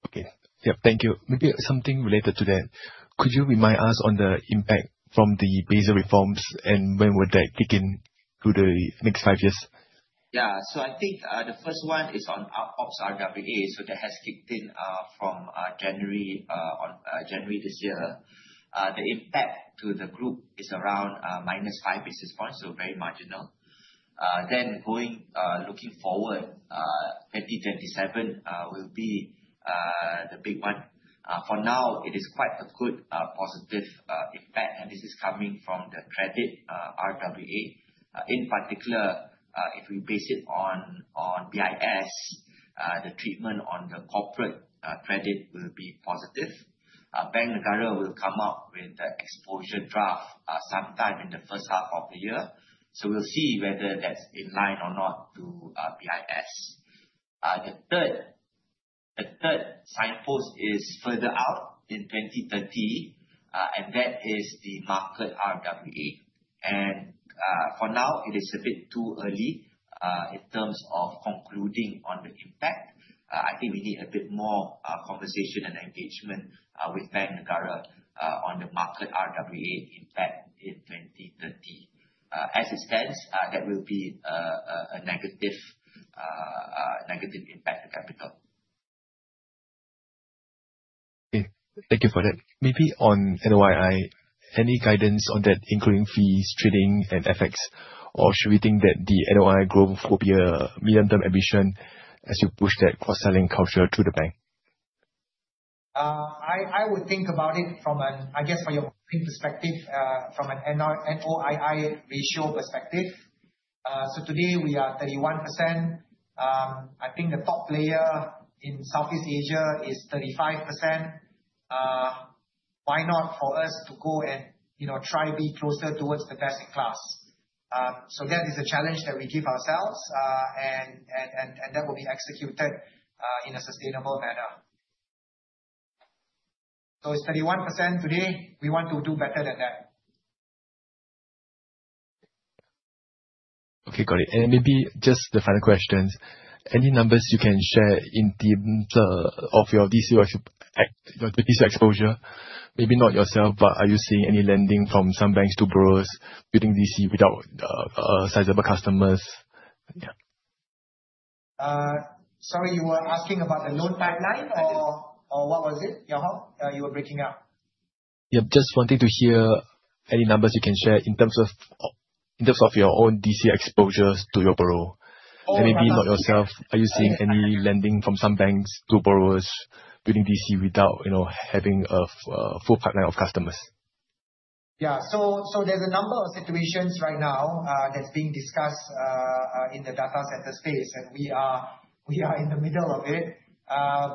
Okay. Yep, thank you. Maybe something related to that. Could you remind us on the impact from the Basel reforms and when would that kick in through the next five years? The first one is on ops RWA, that has kicked in from January this year. The impact to the group is around minus five basis points, very marginal. Looking forward, 2027 will be the big one. For now, it is quite a good positive impact, and this is coming from the Credit RWA. In particular, if we base it on BIS, the treatment on the corporate credit will be positive. Bank Negara Malaysia will come up with the exposure draft, sometime in the first half of the year. We'll see whether that's in line or not to BIS. The third signpost is further out in 2030, and that is the Market RWA, and for now, it is a bit too early, in terms of concluding on the impact. We need a bit more conversation and engagement with Bank Negara Malaysia on the Market RWA impact in 2030. As it stands, that will be a negative impact to capital. Okay. Thank you for that. Maybe on NOII, any guidance on that, including fees, trading, and FX, or should we think that the NOII growth will be a medium-term ambition as you push that cross-selling culture through the bank? I would think about it from, I guess, for your perspective, from an NOII ratio perspective. Today we are 31%. I think the top player in Southeast Asia is 35%. Why not for us to go and try to be closer towards the best in class? That is a challenge that we give ourselves, and that will be executed in a sustainable manner. It's 31% today, we want to do better than that. Okay, got it. Maybe just the final questions, any numbers you can share in terms of your DC exposure? Maybe not yourself, but are you seeing any lending from some banks to borrowers building DC without sizable customers? Yeah. Sorry, you were asking about the loan pipeline or what was it, Tan Yong Hong? You were breaking up. Yep. Just wanting to hear any numbers you can share in terms of your own DC exposures to your borrower. Oh, right. Maybe not yourself, are you seeing any lending from some banks to borrowers building DC without having a full pipeline of customers? Yeah. There's a number of situations right now that's being discussed in the data center space. We are in the middle of it. 5,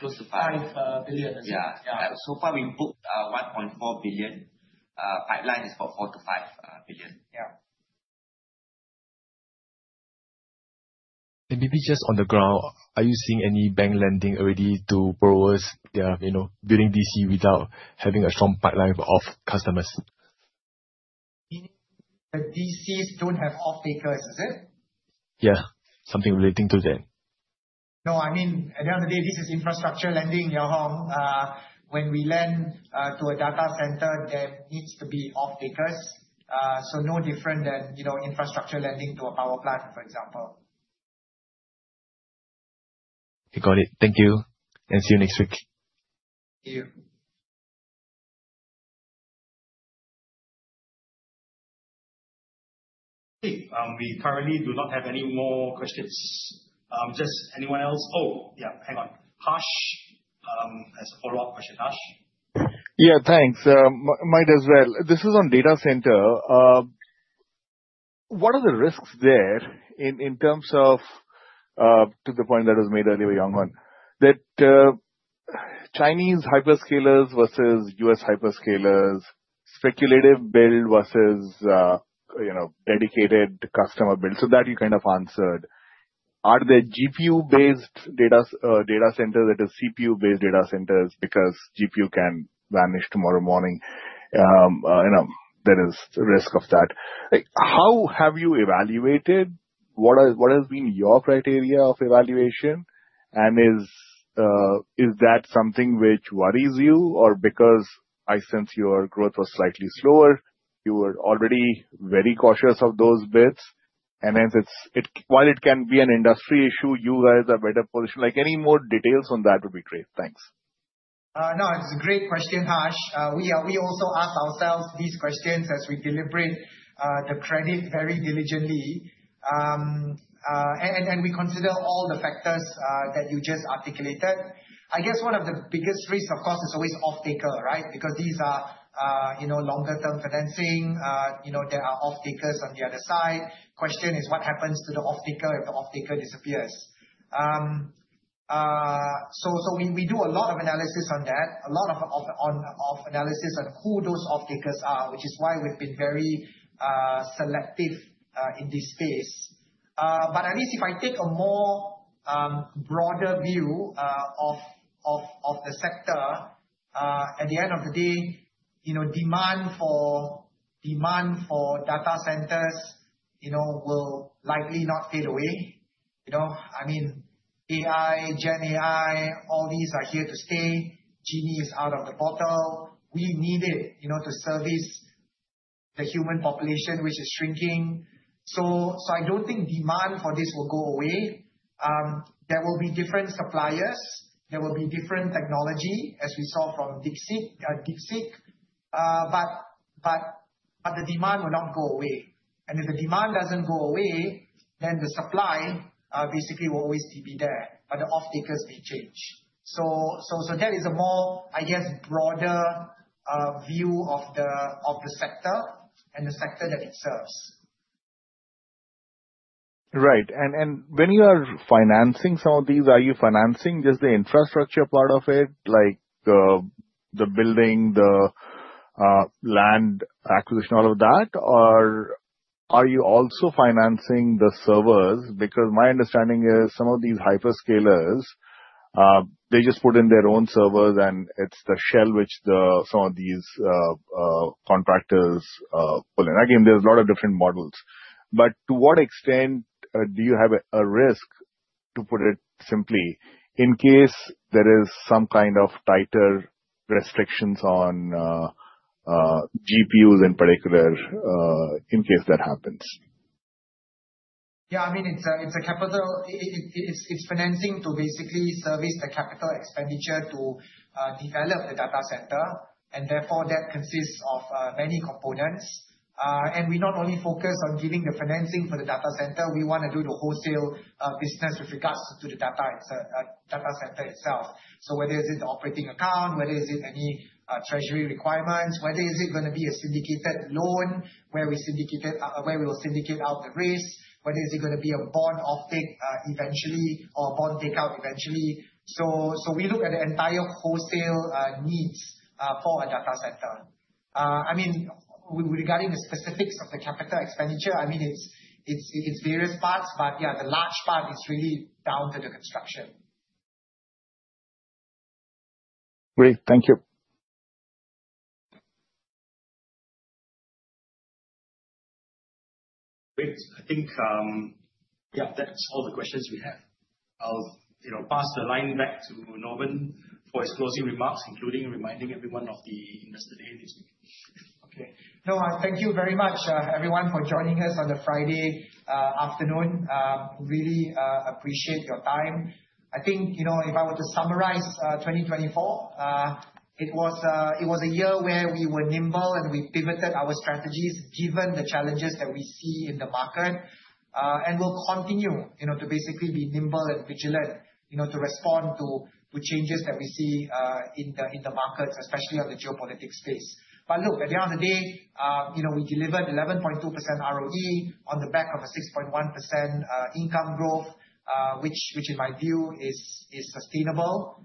close to 5. 5 billion. Yeah. Yeah. Far, we've booked 1.4 billion, pipeline is for 4 billion-5 billion. Yeah. Maybe just on the ground, are you seeing any bank lending already to borrowers that are building DC without having a strong pipeline of customers? You mean the DCs don't have off-takers, is it? Yeah, something relating to that. At the end of the day, this is infrastructure lending, Yong Hon. When we lend to a data center, there needs to be off-takers. No different than infrastructure lending to a power plant, for example. Okay, got it. Thank you, and see you next week. Thank you. Okay. We currently do not have any more questions. Just anyone else? Oh, hang on. Harsh has a follow-up question. Harsh? Thanks. Might as well. This is on data center. What are the risks there in terms of, to the point that was made earlier, Yong Hong, that Chinese hyperscalers versus U.S. hyperscalers, speculative build versus dedicated customer build. That you kind of answered. Are there GPU-based data centers that are CPU-based data centers because GPU can vanish tomorrow morning? There is risk of that. How have you evaluated what has been your criteria of evaluation, and is that something which worries you? Because I sense your growth was slightly slower, you were already very cautious of those bits, and hence while it can be an industry issue, you guys are better positioned. Any more details on that would be great. Thanks. It's a great question, Harsh. We also ask ourselves these questions as we deliberate the credit very diligently. We consider all the factors that you just articulated. I guess one of the biggest risks, of course, is always off-taker, right? Because these are longer-term financing. There are off-takers on the other side. Question is, what happens to the off-taker if the off-taker disappears? We do a lot of analysis on that, a lot of analysis on who those off-takers are, which is why we've been very selective in this space. At least if I take a more broader view of the sector, at the end of the day, demand for data centers will likely not fade away. AI, GenAI, all these are here to stay. Genie is out of the bottle. We need it to service the human population, which is shrinking. I don't think demand for this will go away. There will be different suppliers, there will be different technology, as we saw from DeepSeek, the demand will not go away. If the demand doesn't go away, then the supply basically will always be there, but the off-takers may change. That is a more, I guess, broader view of the sector and the sector that it serves. Right. When you are financing some of these, are you financing just the infrastructure part of it, like the building, the land acquisition, all of that? Or are you also financing the servers? My understanding is some of these hyperscalers, they just put in their own servers, and it's the shell which some of these contractors pull in. Again, there's a lot of different models. To what extent do you have a risk, to put it simply, in case there is some kind of tighter restrictions on GPUs in particular, in case that happens? Yeah. It's financing to basically service the capital expenditure to develop the data center, and therefore that consists of many components. We not only focus on giving the financing for the data center, we want to do the wholesale business with regards to the data center itself. Whether is it the operating account, whether is it any treasury requirements, whether is it going to be a syndicated loan where we will syndicate out the risk, whether is it going to be a bond offtake eventually, or a bond takeout eventually. We look at the entire wholesale needs for a data center. Regarding the specifics of the capital expenditure, it's various parts, but yeah, the large part is really down to the construction. Great. Thank you. Great. I think, yeah, that's all the questions we have. I'll pass the line back to Novan for his closing remarks, including reminding everyone of the investor day this week. Thank you very much, everyone, for joining us on a Friday afternoon. Really appreciate your time. If I were to summarize 2024, it was a year where we were nimble, and we pivoted our strategies given the challenges that we see in the market. We'll continue to basically be nimble and vigilant to respond to changes that we see in the market, especially on the geopolitics space. Look, at the end of the day, we delivered 11.2% ROE on the back of a 6.1% income growth, which in my view, is sustainable.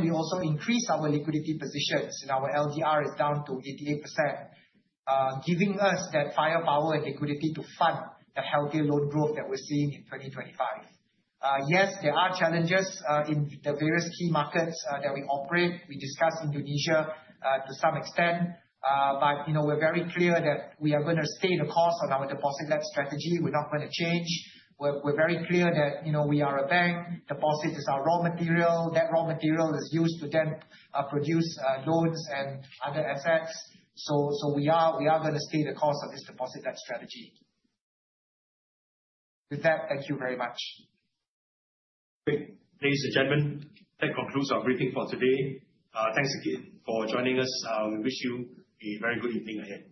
We also increased our liquidity positions, and our LDR is down to 88%, giving us that firepower and liquidity to fund the healthier loan growth that we're seeing in 2025. There are challenges in the various key markets that we operate. We discussed Indonesia to some extent. We're very clear that we are going to stay the course on our deposit led strategy. We're not going to change. We're very clear that we are a bank. Deposit is our raw material. That raw material is used to then produce loans and other assets. We are going to stay the course of this deposit led strategy. With that, thank you very much. Great. Ladies and gentlemen, that concludes our briefing for today. Thanks again for joining us. We wish you a very good evening ahead. Thank you.